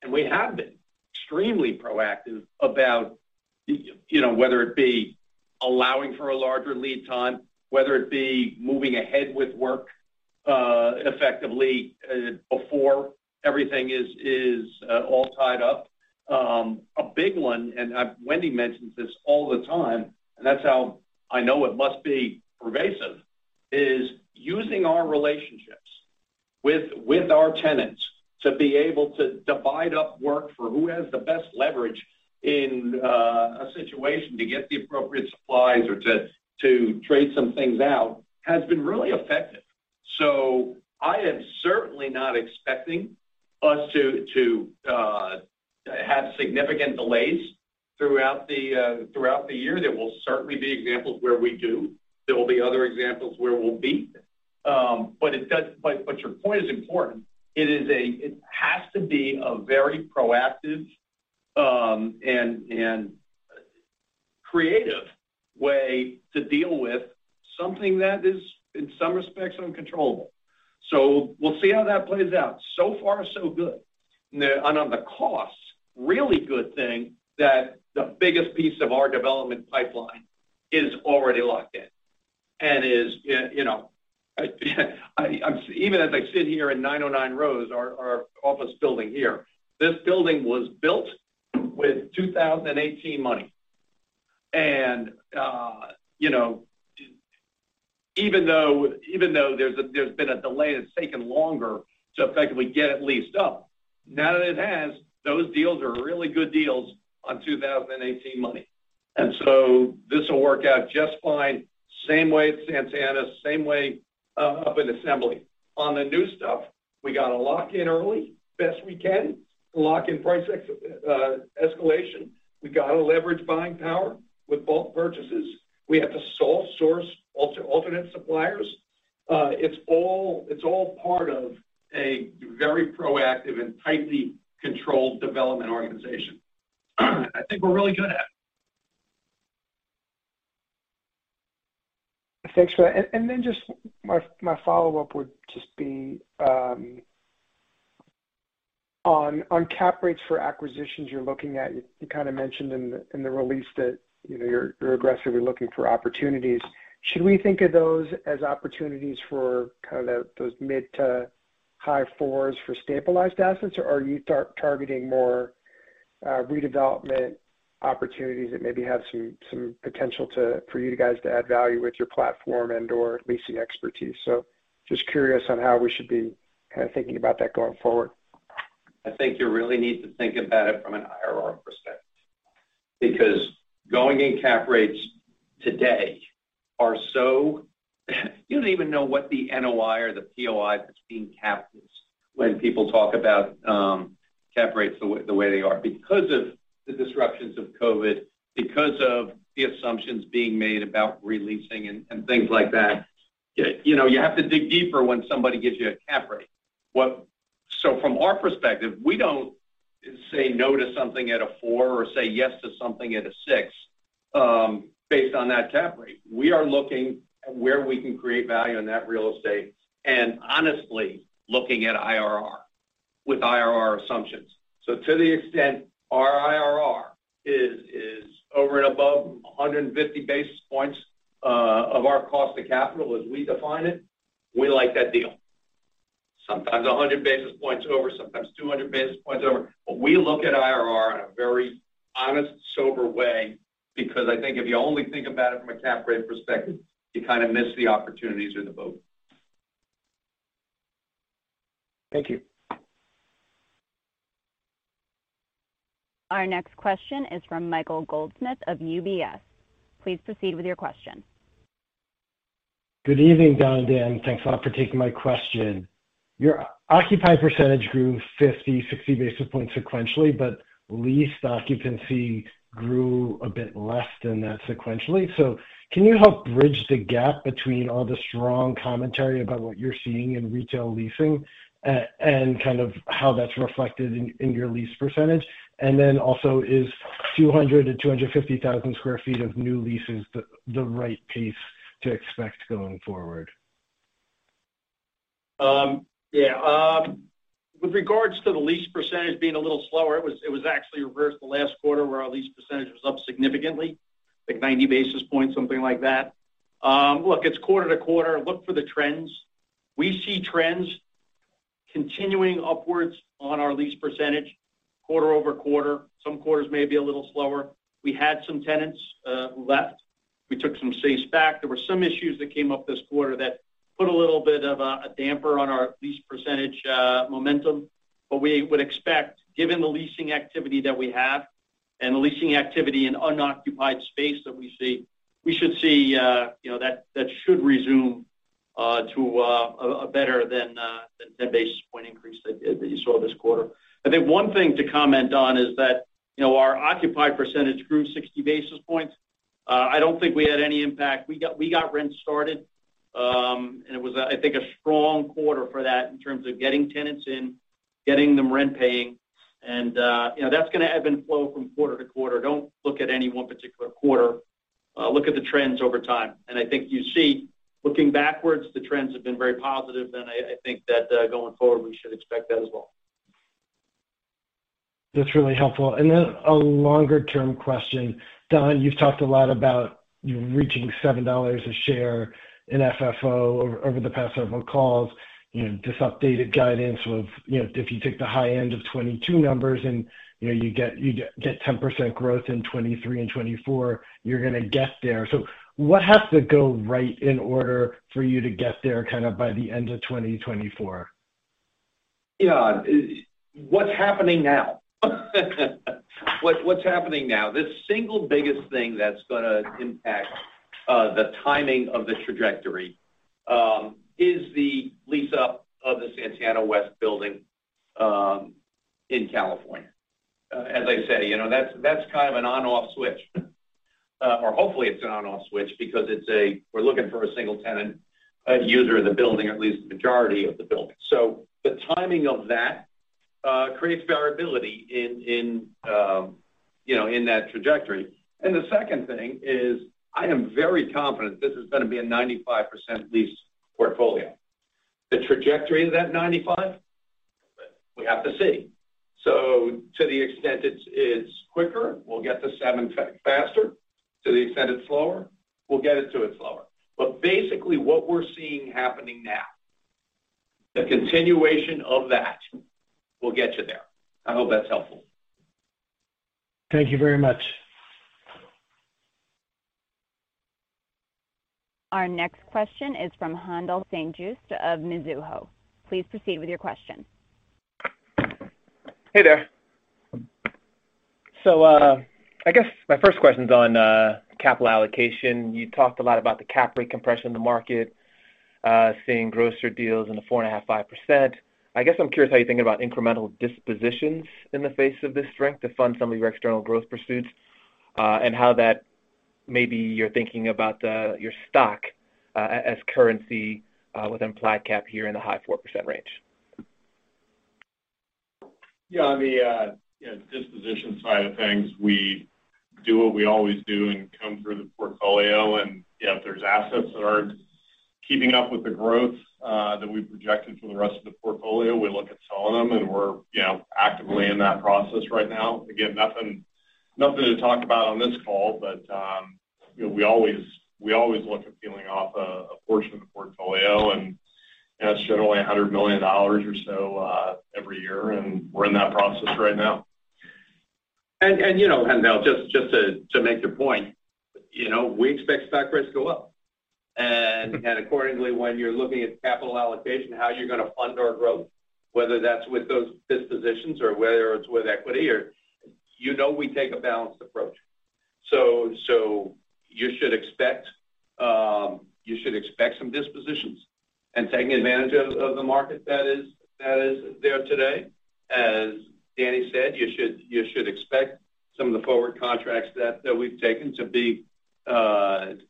We have been extremely proactive about, you know, whether it be allowing for a larger lead time, whether it be moving ahead with work effectively before everything is all tied up. A big one, and Wendy mentions this all the time, and that's how I know it must be pervasive, is using our relationships with our tenants to be able to divide up work for who has the best leverage in a situation to get the appropriate supplies or to trade some things out, has been really effective. I am certainly not expecting us to have significant delays throughout the year. There will certainly be examples where we do. There will be other examples where we'll beat. Your point is important. It has to be a very proactive and creative way to deal with something that is, in some respects, uncontrollable. We'll see how that plays out. So far, so good. Now on the costs, really good thing that the biggest piece of our development pipeline is already locked in, and is, you know, even as I sit here in 909 Rose, our office building here, this building was built with 2018 money. You know, even though there's been a delay, it's taken longer to effectively get it leased up. Now that it has, those deals are really good deals on 2018 money. This will work out just fine. Same way at Santana, same way up in Assembly. On the new stuff, we got to lock in early best we can, lock in price ex escalation. We got to leverage buying power with bulk purchases. We have to sole source alternate suppliers. It's all part of a very proactive and tightly controlled development organization I think we're really good at. Thanks for that. Then just my follow-up would just be on cap rates for acquisitions you're looking at. You kind of mentioned in the release that, you know, you're aggressively looking for opportunities. Should we think of those as opportunities for kind of those mid- to high-fours for stabilized assets, or are you targeting more redevelopment opportunities that maybe have some potential for you guys to add value with your platform and/or leasing expertise? Just curious on how we should be kind of thinking about that going forward. I think you really need to think about it from an IRR perspective because going in cap rates today are so you don't even know what the NOI or the POI that's being capped is when people talk about cap rates the way they are because of the disruptions of COVID, because of the assumptions being made about re-leasing and things like that. You know, you have to dig deeper when somebody gives you a cap rate. From our perspective, we don't say no to something at a 4 or say yes to something at a 6 based on that cap rate. We are looking at where we can create value in that real estate and honestly looking at IRR with IRR assumptions. To the extent our IRR is over and above 150 basis points of our cost of capital as we define it, we like that deal. Sometimes 100 basis points over, sometimes 200 basis points over. But we look at IRR in a very honest, sober way because I think if you only think about it from a cap rate perspective, you kind of miss the opportunities in development. Thank you. Our next question is from Michael Goldsmith of UBS. Please proceed with your question. Good evening, Don and Dan. Thanks a lot for taking my question. Your occupied percentage grew 50-60 basis points sequentially, but leased occupancy grew a bit less than that sequentially. Can you help bridge the gap between all the strong commentary about what you're seeing in retail leasing and kind of how that's reflected in your lease percentage? And then also, is 200-250,000 sq ft of new leases the right pace to expect going forward? Yeah. With regards to the lease percentage being a little slower, it was actually reversed the last quarter where our lease percentage was up significantly, like 90 basis points, something like that. Look, it's quarter-over-quarter. Look for the trends. We see trends continuing upwards on our lease percentage quarter-over-quarter. Some quarters may be a little slower. We had some tenants who left. We took some space back. There were some issues that came up this quarter that put a little bit of a damper on our lease percentage momentum. We would expect, given the leasing activity that we have and the leasing activity in unoccupied space that we see, we should see you know that should resume to a better than 10 basis point increase that you saw this quarter. I think one thing to comment on is that you know our occupied percentage grew 60 basis points. I don't think we had any impact. We got rent started, and it was I think a strong quarter for that in terms of getting tenants in, getting them rent paying. You know that's gonna ebb and flow from quarter to quarter. Don't look at any one particular quarter, look at the trends over time. I think you see, looking backwards, the trends have been very positive, and I think that, going forward, we should expect that as well. That's really helpful. Then a longer-term question. Don, you've talked a lot about you reaching $7 a share in FFO over the past several calls, you know, just updated guidance of, you know, if you take the high end of 2022 numbers and, you know, you get 10% growth in 2023 and 2024, you're gonna get there. What has to go right in order for you to get there kind of by the end of 2024? What's happening now. The single biggest thing that's gonna impact the timing of this trajectory is the lease up of the Santana West building in California. As I said, you know, that's kind of an on/off switch. Or hopefully it's an on/off switch because we're looking for a single tenant, a user of the building, or at least the majority of the building. The timing of that creates variability in, you know, in that trajectory. The second thing is, I am very confident this is gonna be a 95% lease portfolio. The trajectory of that 95, we have to see. To the extent it's quicker, we'll get to 70 faster. To the extent it's slower, we'll get to it slower. Basically, what we're seeing happening now, the continuation of that will get you there. I hope that's helpful. Thank you very much. Our next question is from Haendel St-Juste of Mizuho. Please proceed with your question. Hey there. I guess my first question's on capital allocation. You talked a lot about the cap rate compression in the market, seeing grocer deals in the 4.5%-5%. I guess I'm curious how you're thinking about incremental dispositions in the face of this strength to fund some of your external growth pursuits, and how that maybe you're thinking about your stock as currency with implied cap here in the high 4% range. Yeah, on the you know, disposition side of things, we do what we always do and comb through the portfolio, and if there's assets that aren't keeping up with the growth that we've projected for the rest of the portfolio, we look at selling them, and we're you know, actively in that process right now. Again, nothing to talk about on this call, but you know, we always look at peeling off a portion of the portfolio, and that's generally $100 million or so every year, and we're in that process right now. You know, Handel, just to make a point, you know, we expect stock price to go up. Accordingly, when you're looking at capital allocation, how you're gonna fund our growth, whether that's with those dispositions or whether it's with equity or, you know, we take a balanced approach. You should expect some dispositions and taking advantage of the market that is there today. As Dan Gee said, you should expect some of the forward contracts that we've taken to be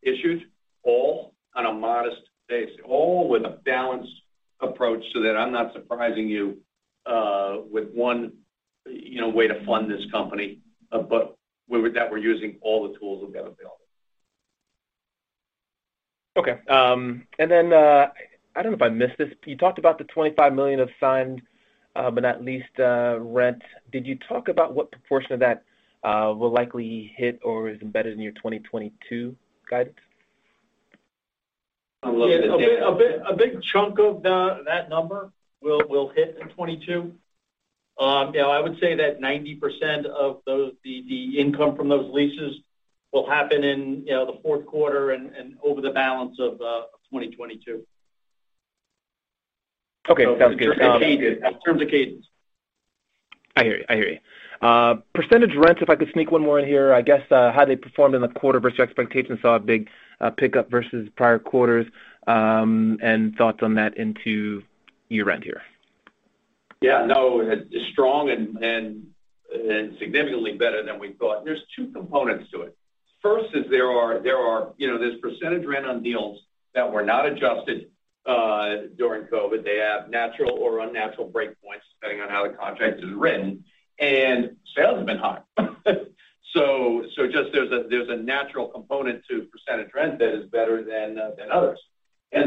issued all on a modest basis. All with a balanced approach so that I'm not surprising you with one, you know, way to fund this company, but that we're using all the tools we've got available. Okay. I don't know if I missed this. You talked about the $25 million of signed but not leased rent. Did you talk about what proportion of that will likely hit or is embedded in your 2022 guidance? Yeah. A big chunk of that number will hit in 2022. You know, I would say that 90% of the income from those leases will happen in, you know, the Q4 and over the balance of 2022. Okay. Sounds good. In terms of cadence. I hear you. Percentage rents, if I could sneak one more in here. I guess how they performed in the quarter versus your expectations. Saw a big pickup versus prior quarters, and thoughts on that into year-end here. Yeah, no, it's strong and significantly better than we thought. There's two components to it. First is there are, you know, there's percentage rent on deals that were not adjusted during COVID. They have natural or unnatural breakpoints, depending on how the contract is written, and sales have been high. Just there's a natural component to percentage rent that is better than others. As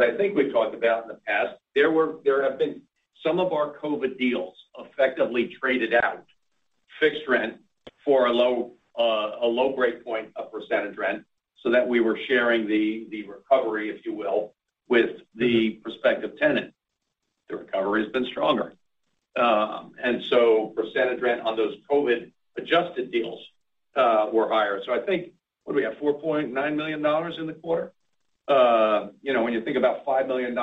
I think we've talked about in the past, there have been some of our COVID deals effectively traded out fixed rent for a low break point of percentage rent so that we were sharing the recovery, if you will, with the prospective tenant. The recovery has been stronger. Percentage rent on those COVID-adjusted deals were higher. I think, what do we have? $4.9 million in the quarter. You know, when you think about $5 million,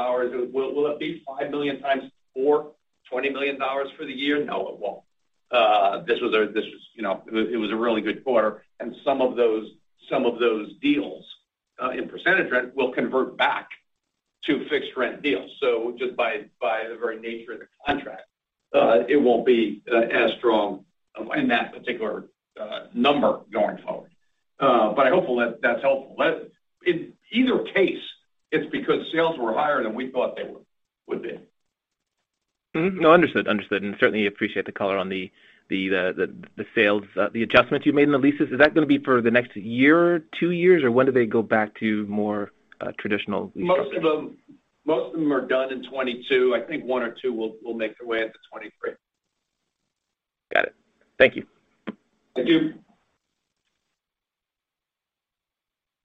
will it be $5 million times four, $20 million for the year? No, it won't. This was you know, it was a really good quarter, and some of those deals in percentage rent will convert back to fixed rent deals. Just by the very nature of the contract, it won't be as strong in that particular number going forward. Hopefully that's helpful. In either case, it's because sales were higher than we thought they would be. Mm-hmm. No, understood. Certainly appreciate the color on the sales adjustments you made in the leases. Is that gonna be for the next year, two years, or when do they go back to more traditional lease adjustments? Most of them are done in 2022. I think one or two will make their way into 2023. Got it. Thank you. Thank you.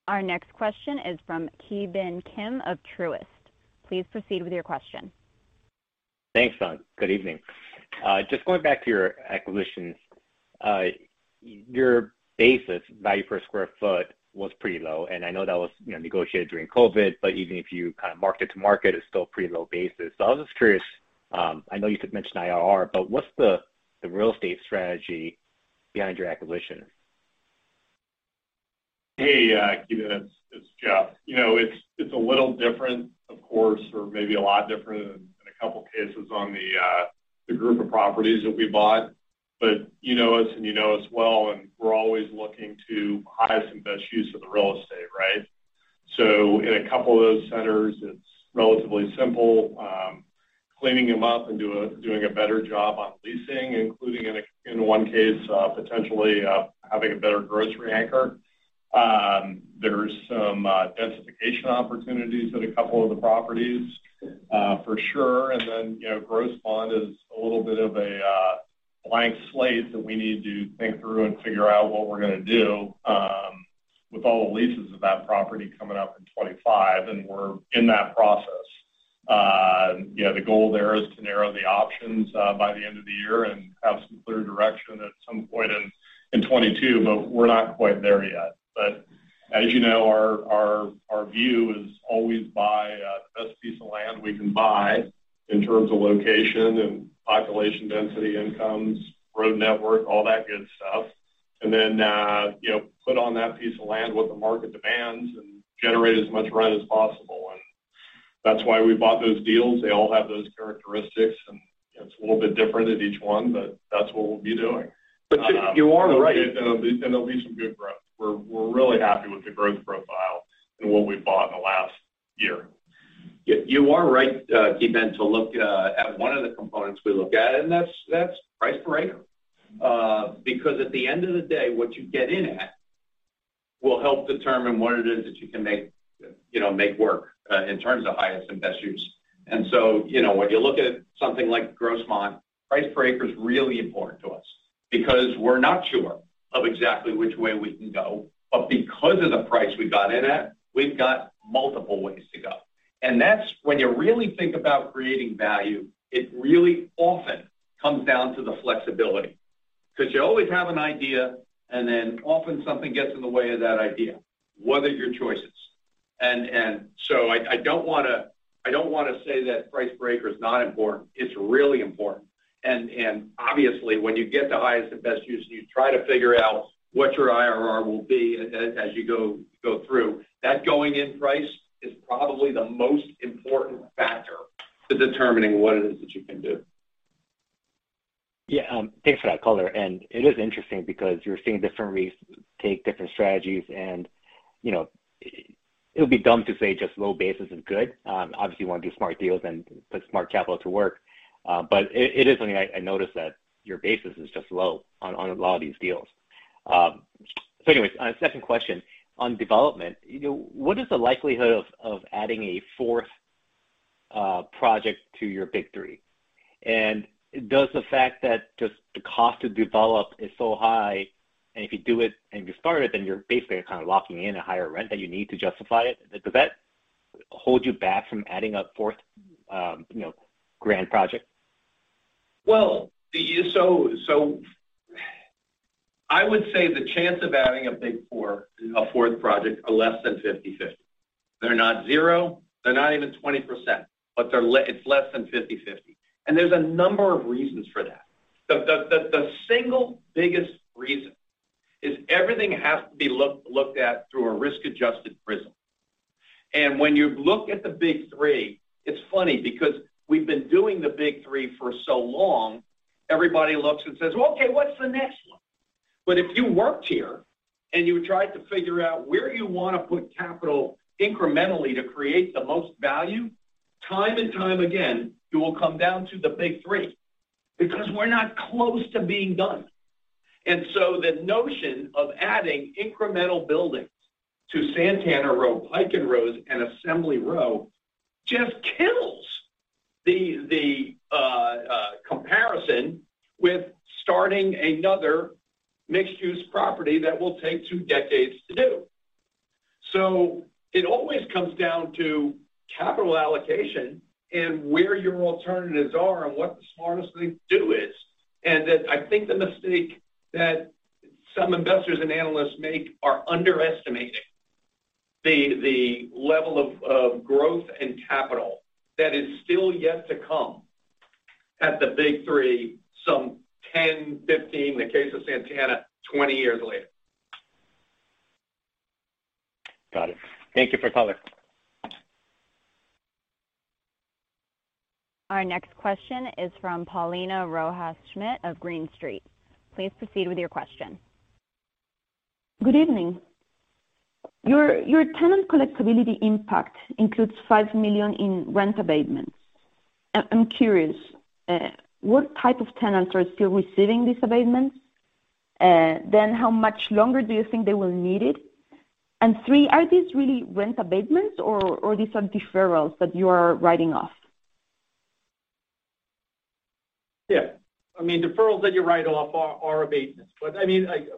Our next question is from Ki Bin Kim of Truist. Please proceed with your question. Thanks, Don. Good evening. Just going back to your acquisitions. Your basis value per sq ft was pretty low, and I know that was, you know, negotiated during COVID, but even if you kind of mark to market, it's still pretty low basis. I was just curious. I know you could mention IRR, but what's the real estate strategy behind your acquisition? Hey, Ki Bin Kim. It's Jeff. You know, it's a little different, of course, or maybe a lot different in a couple cases on the group of properties that we bought. You know us, and you know us well, and we're always looking to highest and best use of the real estate, right? So in a couple of those centers, it's relatively simple. Cleaning them up and doing a better job on leasing, including in one case, potentially having a better grocery anchor. There's some densification opportunities at a couple of the properties, for sure. You know, Grossmont is a little bit of a blank slate that we need to think through and figure out what we're gonna do with all the leases of that property coming up in 2025, and we're in that process. You know, the goal there is to narrow the options by the end of the year and have some clear direction at some point in 2022, but we're not quite there yet. As you know, our view is always buy the best piece of land we can buy in terms of location and population density, incomes, road network, all that good stuff. You know, put on that piece of land what the market demands and generate as much rent as possible. That's why we bought those deals. They all have those characteristics, and it's a little bit different at each one, but that's what we'll be doing. You are right. There'll be some good growth. We're really happy with the growth profile and what we've bought in the last year. You are right, Ki Bin, to look at one of the components we look at, and that's price per acre. Because at the end of the day, what you get in at will help determine what it is that you can make, you know, make work in terms of highest and best use. You know, when you look at something like Grossmont, price per acre is really important to us because we're not sure of exactly which way we can go. Because of the price we got in at, we've got multiple ways to go. That's when you really think about creating value. It really often comes down to the flexibility. Because you always have an idea, and then often something gets in the way of that idea. What are your choices? I don't wanna say that price per acre is not important. It's really important. Obviously, when you get to highest and best use, you try to figure out what your IRR will be as you go through. That going in price is probably the most important factor to determining what it is that you can do. Thanks for that color. It is interesting because you're seeing different REITs take different strategies and, you know, it would be dumb to say just low basis is good. Obviously you want to do smart deals and put smart capital to work. It is something I noticed that your basis is just low on a lot of these deals. Anyways, second question on development. You know, what is the likelihood of adding a fourth project to your big three? Does the fact that just the cost to develop is so high, and if you do it, and you start it, then you're basically kind of locking in a higher rent that you need to justify it hold you back from adding a fourth, you know, grand project? I would say the chance of adding a fourth project are less than 50-50. They're not zero, they're not even 20%, but it's less than 50-50. There's a number of reasons for that. The single biggest reason is everything has to be looked at through a risk-adjusted prism. When you look at the big three, it's funny because we've been doing the big three for so long, everybody looks and says, "Well, okay, what's the next one?" If you worked here, and you tried to figure out where you wanna put capital incrementally to create the most value, time and time again, it will come down to the big three because we're not close to being done. The notion of adding incremental buildings to Santana Row, Pike & Rose, and Assembly Row just kills the comparison with starting another mixed-use property that will take two decades to do. It always comes down to capital allocation and where your alternatives are and what the smartest thing to do is, and that I think the mistake that some investors and analysts make are underestimating the level of growth and capital that is still yet to come at the big three, some 10, 15, in the case of Santana, 20 years later. Got it. Thank you for the color. Our next question is from Paulina Rojas-Schmidt of Green Street. Please proceed with your question. Good evening. Your tenant collectibility impact includes $5 million in rent abatements. I'm curious, what type of tenants are still receiving these abatements? How much longer do you think they will need it? Three, are these really rent abatements or these are deferrals that you are writing off? Yeah. I mean, deferrals that you write off are abatements. I mean, like,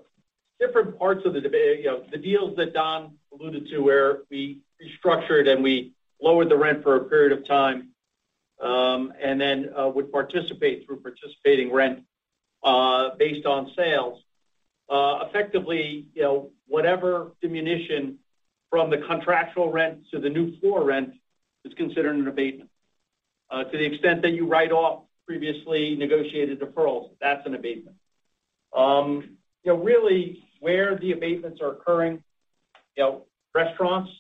different parts of the, you know, the deals that Don alluded to where we restructured, and we lowered the rent for a period of time, and then would participate through participating rent based on sales, effectively, you know, whatever diminution from the contractual rent to the new floor rent is considered an abatement. To the extent that you write off previously negotiated deferrals, that's an abatement. You know, really where the abatements are occurring, you know, restaurants,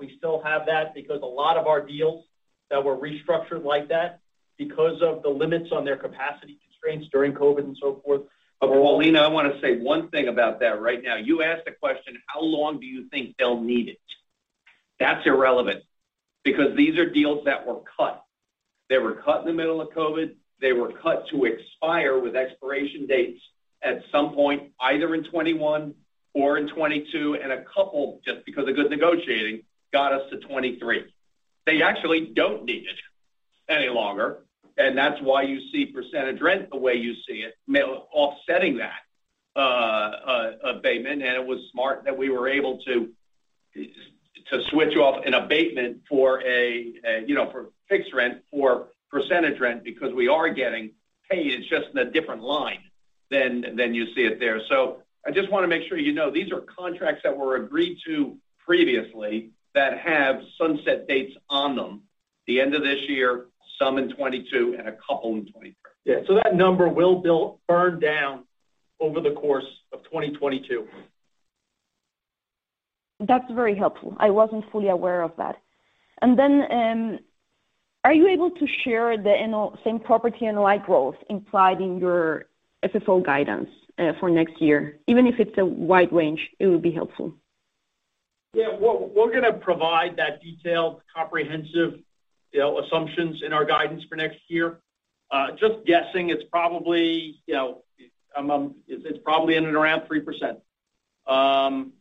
we still have that because a lot of our deals that were restructured like that because of the limits on their capacity constraints during COVID and so forth. Paulina, I wanna say one thing about that right now. You asked a question, how long do you think they'll need it? That's irrelevant because these are deals that were cut. They were cut in the middle of COVID. They were cut to expire with expiration dates at some point, either in 2021 or in 2022, and a couple, just because of good negotiating, got us to 2023. They actually don't need it any longer, and that's why you see percentage rent the way you see it offsetting that abatement. It was smart that we were able to switch off an abatement for a you know for fixed rent for perc`entage rent because we are getting paid. It's just in a different line than you see it there. I just wanna make sure you know, these are contracts that were agreed to previously that have sunset dates on them, the end of this year, some in 2022, and a couple in 2023. Yeah. That number will burn down over the course of 2022. That's very helpful. I wasn't fully aware of that. Are you able to share the same-property NOI growth implied in your FFO guidance, for next year? Even if it's a wide range, it would be helpful. Yeah. We're gonna provide that detailed, comprehensive, you know, assumptions in our guidance for next year. Just guessing, it's probably, you know, it's probably in and around 3%,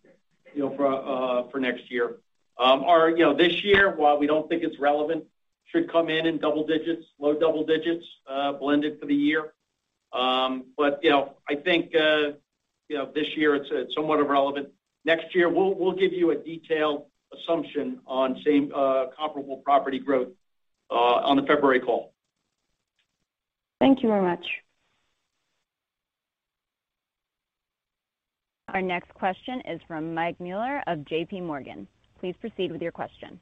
you know, for next year. Our, you know, this year, while we don't think it's relevant, should come in in double digits, low double digits, blended for the year. You know, I think, you know, this year it's somewhat irrelevant. Next year, we'll give you a detailed assumption on same comparable property growth, on the February call. Thank you very much. Our next question is from Mike Mueller of JPMorgan. Please proceed with your question.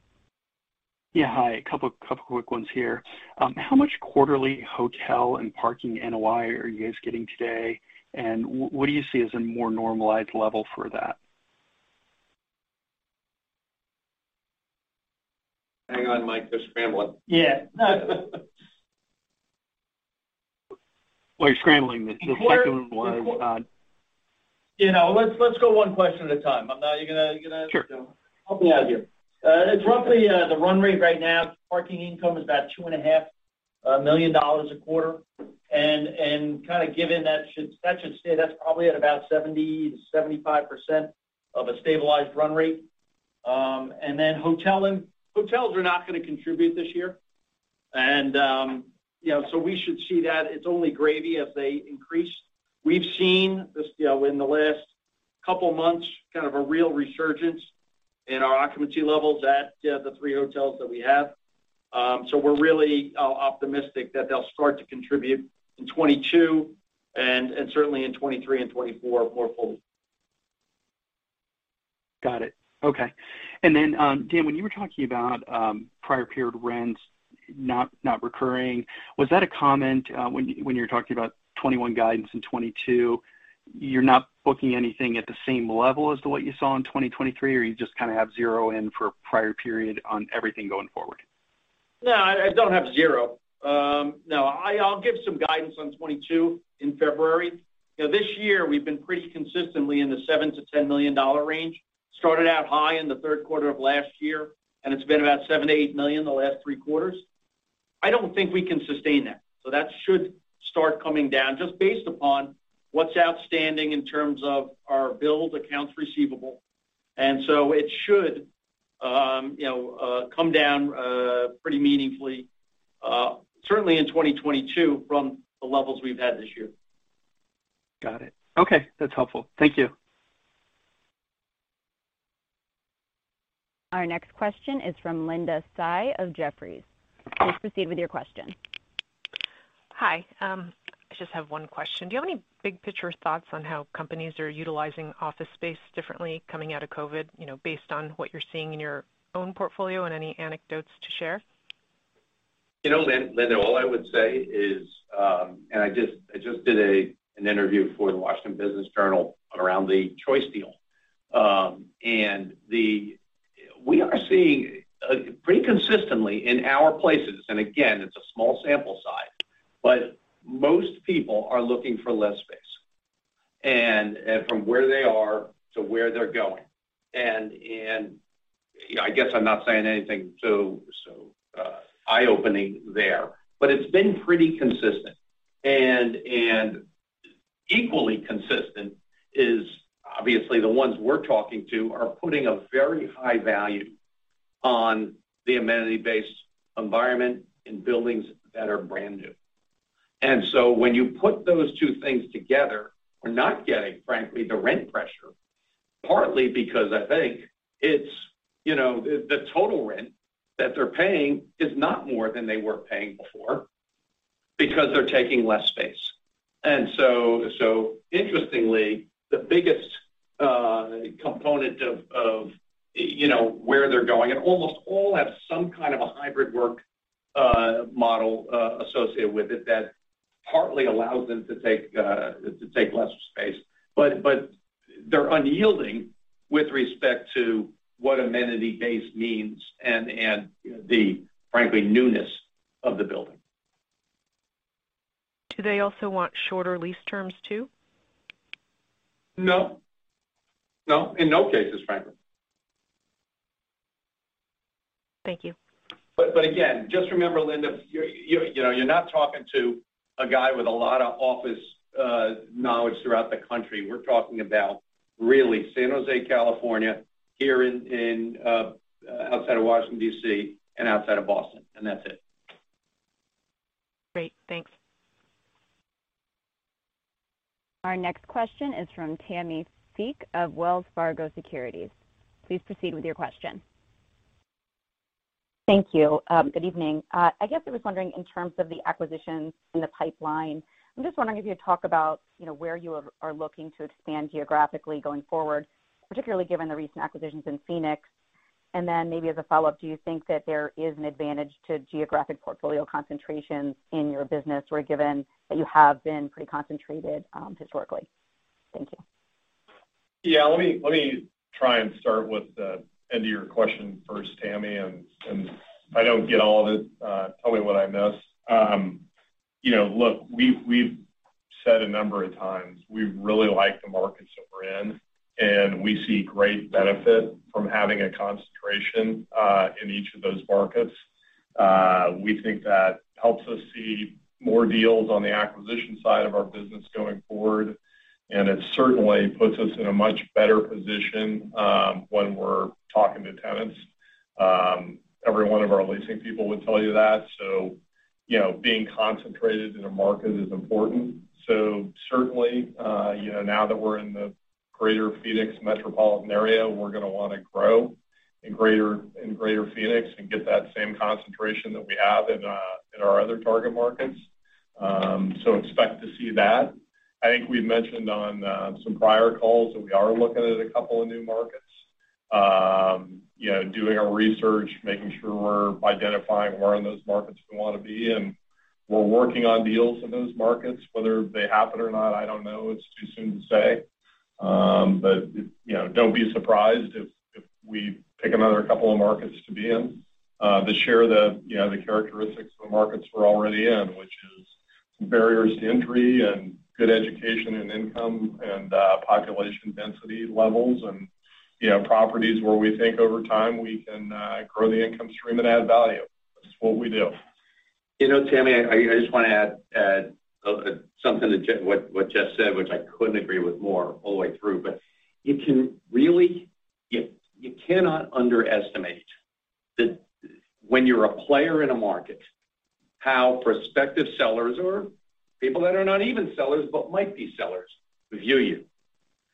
Yeah. Hi. A couple quick ones here. How much quarterly hotel and parking NOI are you guys getting today? What do you see as a more normalized level for that? Hang on, Mike. They're scrambling. Yeah. No. While you're scrambling, the second one was, You know, let's go one question at a time. I'm not gonna. Sure. Help me out here. It's roughly the run rate right now, parking income is about $2.5 million a quarter. Kinda given that should stay. That's probably at about 70%-75% of a stabilized run rate. Hotels are not gonna contribute this year. You know, so we should see that it's only gravy if they increase. We've seen this, you know, in the last couple months, kind of a real resurgence in our occupancy levels at the three hotels that we have. We're really optimistic that they'll start to contribute in 2022 and certainly in 2023 and 2024 more fully. Got it. Okay. Then, Dan, when you were talking about prior period rents not recurring, was that a comment when you were talking about 2021 guidance and 2022, you're not booking anything at the same level as to what you saw in 2023, or you just kinda have zero in for prior period on everything going forward? No, I don't have zero. No, I'll give some guidance on 2022 in February. You know, this year we've been pretty consistently in the $7-10 million range. Started out high in the Q3 of last year, and it's been about $7-8 million the last three quarters. I don't think we can sustain that, so that should start coming down just based upon what's outstanding in terms of our bills, accounts receivable. It should, you know, come down pretty meaningfully, certainly in 2022 from the levels we've had this year. Got it. Okay. That's helpful. Thank you. Our next question is from Linda Tsai of Jefferies. Please proceed with your question. Hi. I just have one question. Do you have any big picture thoughts on how companies are utilizing office space differently coming out of COVID, you know, based on what you're seeing in your own portfolio and any anecdotes to share? You know, Linda, all I would say is I just did an interview for the Washington Business Journal around the Choice deal. We are seeing pretty consistently in our places, and again, it's a small sample size, but most people are looking for less space and from where they are to where they're going. I guess I'm not saying anything so eye-opening there, but it's been pretty consistent. Equally consistent is obviously the ones we're talking to are putting a very high value on the amenity-based environment in buildings that are brand new. When you put those two things together, we're not getting, frankly, the rent pressure, partly because I think it's, you know, the total rent that they're paying is not more than they were paying before because they're taking less space. Interestingly, the biggest component of, you know, where they're going, and almost all have some kind of a hybrid work model associated with it that partly allows them to take less space. They're unyielding with respect to what amenity base means and, frankly, the newness of the building. Do they also want shorter lease terms too? No. In no cases, frankly. Thank you. Just remember, Linda, you know, you're not talking to a guy with a lot of office knowledge throughout the country. We're talking about really San Jose, California, here outside of Washington, D.C., and outside of Boston, and that's it. Great. Thanks. Our next question is from Tammi Fique of Wells Fargo Securities. Please proceed with your question. Thank you. Good evening. I guess I was wondering in terms of the acquisitions in the pipeline, I'm just wondering if you could talk about, you know, where you are looking to expand geographically going forward, particularly given the recent acquisitions in Phoenix. Then maybe as a follow-up, do you think that there is an advantage to geographic portfolio concentrations in your business, or given that you have been pretty concentrated, historically? Thank you. Yeah. Let me try and start with the end of your question first, Tammy. And if I don't get all of it, tell me what I missed. You know, look, we've said a number of times we really like the markets that we're in, and we see great benefit from having a concentration in each of those markets. We think that helps us see more deals on the acquisition side of our business going forward, and it certainly puts us in a much better position when we're talking to tenants. Every one of our leasing people would tell you that. You know, being concentrated in a market is important. Certainly, you know, now that we're in the greater Phoenix metropolitan area, we're gonna wanna grow in greater, in greater Phoenix and get that same concentration that we have in our other target markets. Expect to see that. I think we've mentioned on some prior calls that we are looking at a couple of new markets. You know, doing our research, making sure we're identifying where in those markets we wanna be, and we're working on deals in those markets. Whether they happen or not, I don't know. It's too soon to say. You know, don't be surprised if we pick another couple of markets to be in that share the, you know, the characteristics of the markets we're already in, which is barriers to entry and good education and income and population density levels and, you know, properties where we think over time we can grow the income stream and add value. That's what we do. You know, Tammi, I just want to add something to what Jeff said, which I couldn't agree with more all the way through. You really cannot underestimate that when you're a player in a market, how prospective sellers or people that are not even sellers but might be sellers view you,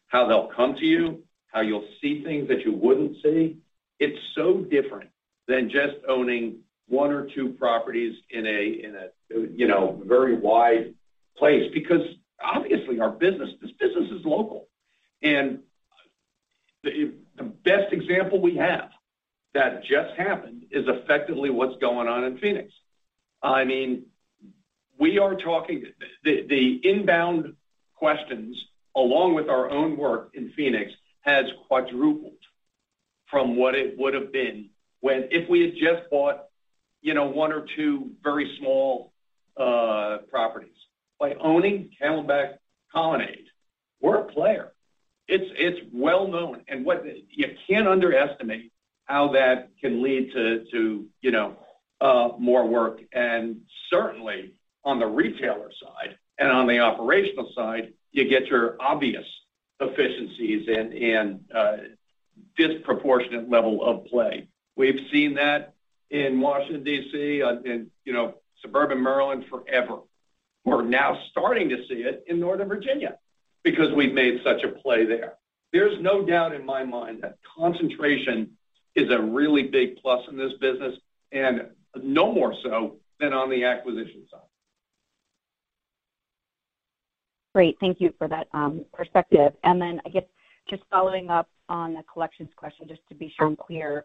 how they'll come to you, how you'll see things that you wouldn't see. It's so different than just owning one or two properties in a you know, very wide place because obviously our business, this business is local. The best example we have that just happened is effectively what's going on in Phoenix. I mean, we are talking The inbound questions along with our own work in Phoenix has quadrupled from what it would have been when if we had just bought, you know, one or two very small properties. By owning Camelback Colonnade, we're a player. It's well known. And what you can't underestimate how that can lead to, you know, more work. Certainly on the retailer side and on the operational side, you get your obvious efficiencies and disproportionate level of play. We've seen that in Washington, D.C., in, you know, suburban Maryland forever. We're now starting to see it in Northern Virginia because we've made such a play there. There's no doubt in my mind that concentration is a really big plus in this business, and no more so than on the acquisition side. Great. Thank you for that, perspective. I guess just following up on the collections question, just to be sure I'm clear,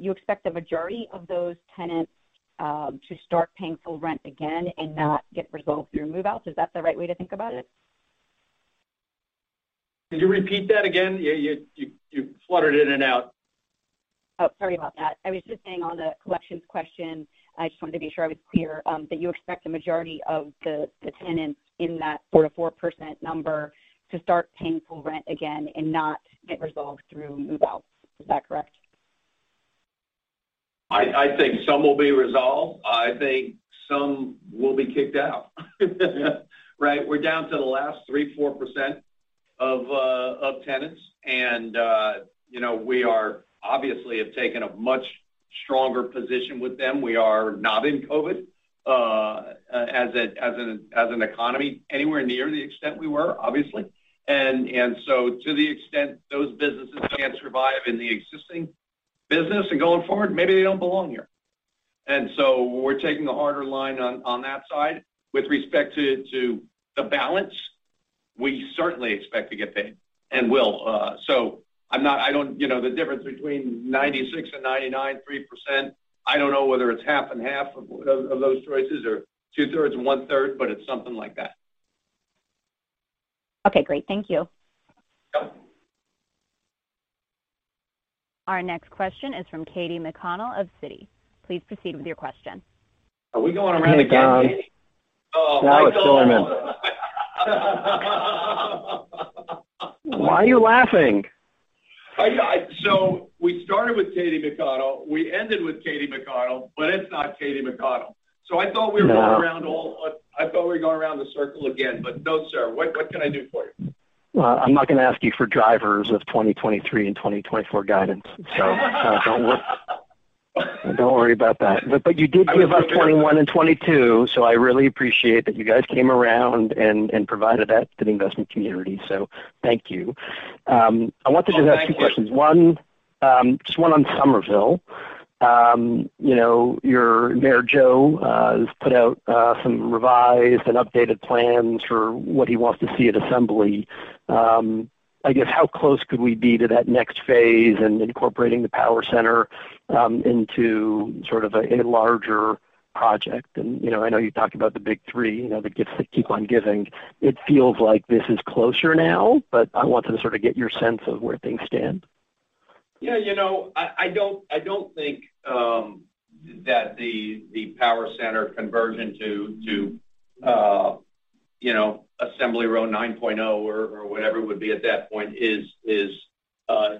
you expect the majority of those tenants to start paying full rent again and not get resolved through move-outs. Is that the right way to think about it? Could you repeat that again? Yeah, you fluttered in and out. Oh, sorry about that. I was just saying on the collections question, I just wanted to be sure I was clear, that you expect the majority of the tenants in that 4%-4% number to start paying full rent again and not get resolved through move-outs. Is that correct? I think some will be resolved. I think some will be kicked out. Right? We're down to the last 3-4% of tenants, you know, we are obviously have taken a much stronger position with them. We are not in COVID as an economy anywhere near the extent we were, obviously. To the extent those businesses can't survive in the existing business and going forward, maybe they don't belong here. We're taking a harder line on that side. With respect to the balance, we certainly expect to get paid and will. I'm not. I don't. You know, the difference between 96 and 99, 3%, I don't know whether it's half and half of those choices or two thirds and one third, but it's something like that. Okay, great. Thank you. Yep. Our next question is from Katy McConnell of Citi. Please proceed with your question. Are we going around again, Katy? Hey, Tom. Oh, Michael. It's Mike Gorman. Why are you laughing? We started with Katy McConnell, we ended with Katy McConnell, but it's not Katy McConnell. I thought we were going around all- No. I thought we were going around the circle again, but no sir. What can I do for you? Well, I'm not gonna ask you for drivers of 2023 and 2024 guidance, don't worry about that. You did give us 2021 and 2022, so I really appreciate that you guys came around and provided that to the investment community, so thank you. I wanted to just ask two questions. Well, thank you. One, just one on Somerville. You know, your Mayor Joe has put out some revised and updated plans for what he wants to see at Assembly. I guess, how close could we be to that next phase and incorporating the power center into sort of a larger project? You know, I know you talked about the big three, you know, the gifts that keep on giving. It feels like this is closer now, but I wanted to sort of get your sense of where things stand. Yeah, you know, I don't think that the power center conversion to Assembly Row 9.0 or whatever it would be at that point is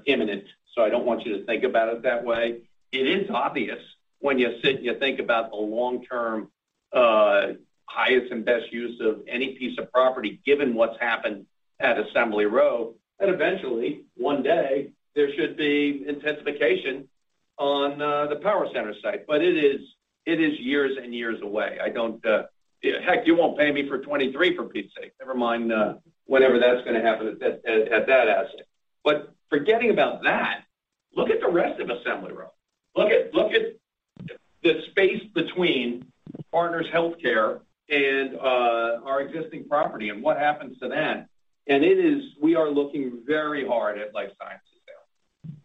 imminent, so I don't want you to think about it that way. It is obvious when you sit and you think about the long-term highest and best use of any piece of property given what's happened at Assembly Row, that eventually, one day, there should be intensification on the power center site. It is years and years away. I don't. Heck, you won't pay me for 23, for Pete's sake. Never mind whenever that's gonna happen at that asset. Forgetting about that, look at the rest of Assembly Row. Look at the space between Partners HealthCare and our existing property and what happens to that. We are looking very hard at life sciences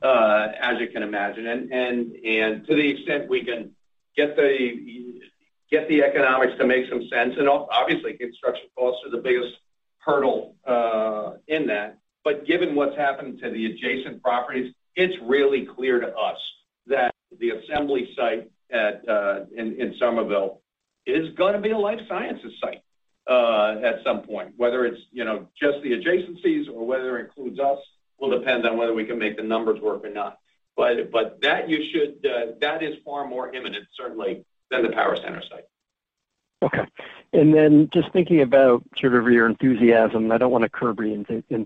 there, as you can imagine. To the extent we can get the economics to make some sense and obviously construction costs are the biggest hurdle in that. But given what's happened to the adjacent properties, it's really clear to us that the Assembly site in Somerville is gonna be a life sciences site at some point. Whether it's, you know, just the adjacencies or whether it includes us will depend on whether we can make the numbers work or not. But that is far more imminent certainly than the power center site. Okay. Just thinking about sort of your enthusiasm, I don't wanna curb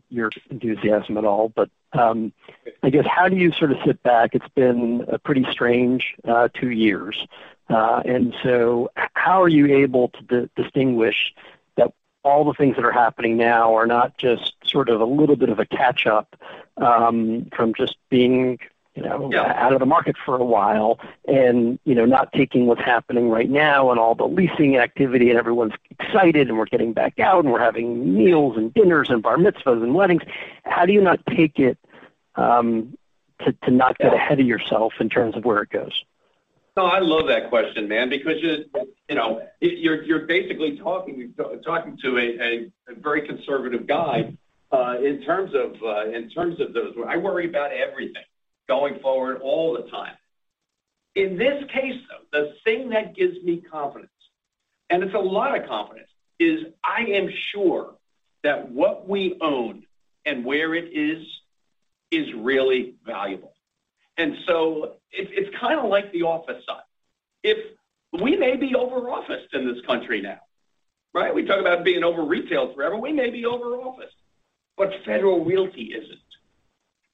your enthusiasm at all, but I guess how do you sort of sit back? It's been a pretty strange two years, and so how are you able to distinguish that all the things that are happening now are not just sort of a little bit of a catch up from just being, you know Yeah... out of the market for a while and, you know, not taking what's happening right now and all the leasing activity and everyone's excited and we're getting back out and we're having meals and dinners and bar mitzvahs and weddings. How do you not take it to not get ahead of yourself in terms of where it goes? No, I love that question, man, because you're, you know, you're basically talking to a very conservative guy in terms of those. I worry about everything going forward all the time. In this case, though, the thing that gives me confidence, and it's a lot of confidence, is I am sure that what we own and where it is is really valuable. It's kinda like the office side. If we may be over-officed in this country now, right? We talk about being over-retailed forever, we may be over-officed. Federal Realty isn't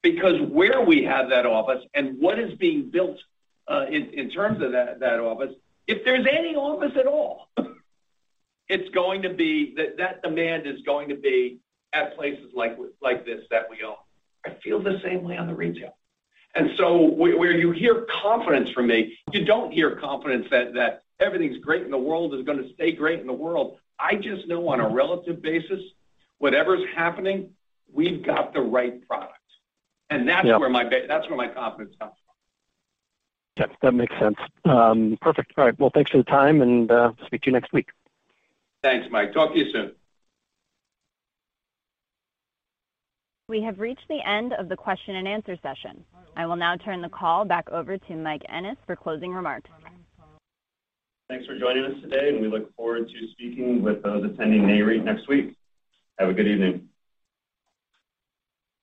because where we have that office and what is being built in terms of that office, if there's any office at all, it's going to be. That demand is going to be at places like this that we own. I feel the same way on the retail. Where you hear confidence from me, you don't hear confidence that everything's great in the world, is gonna stay great in the world. I just know on a relative basis, whatever's happening, we've got the right product. Yeah. That's where my confidence comes from. Yeah, that makes sense. Perfect. All right. Well, thanks for the time, and speak to you next week. Thanks, Mike. Talk to you soon. We have reached the end of the question and answer session. I will now turn the call back over to Mike Ennes for closing remarks. Thanks for joining us today, and we look forward to speaking with those attending NAREIT next week. Have a good evening.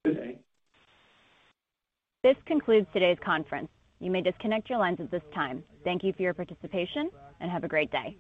Good day. This concludes today's conference. You may disconnect your lines at this time. Thank you for your participation, and have a great day.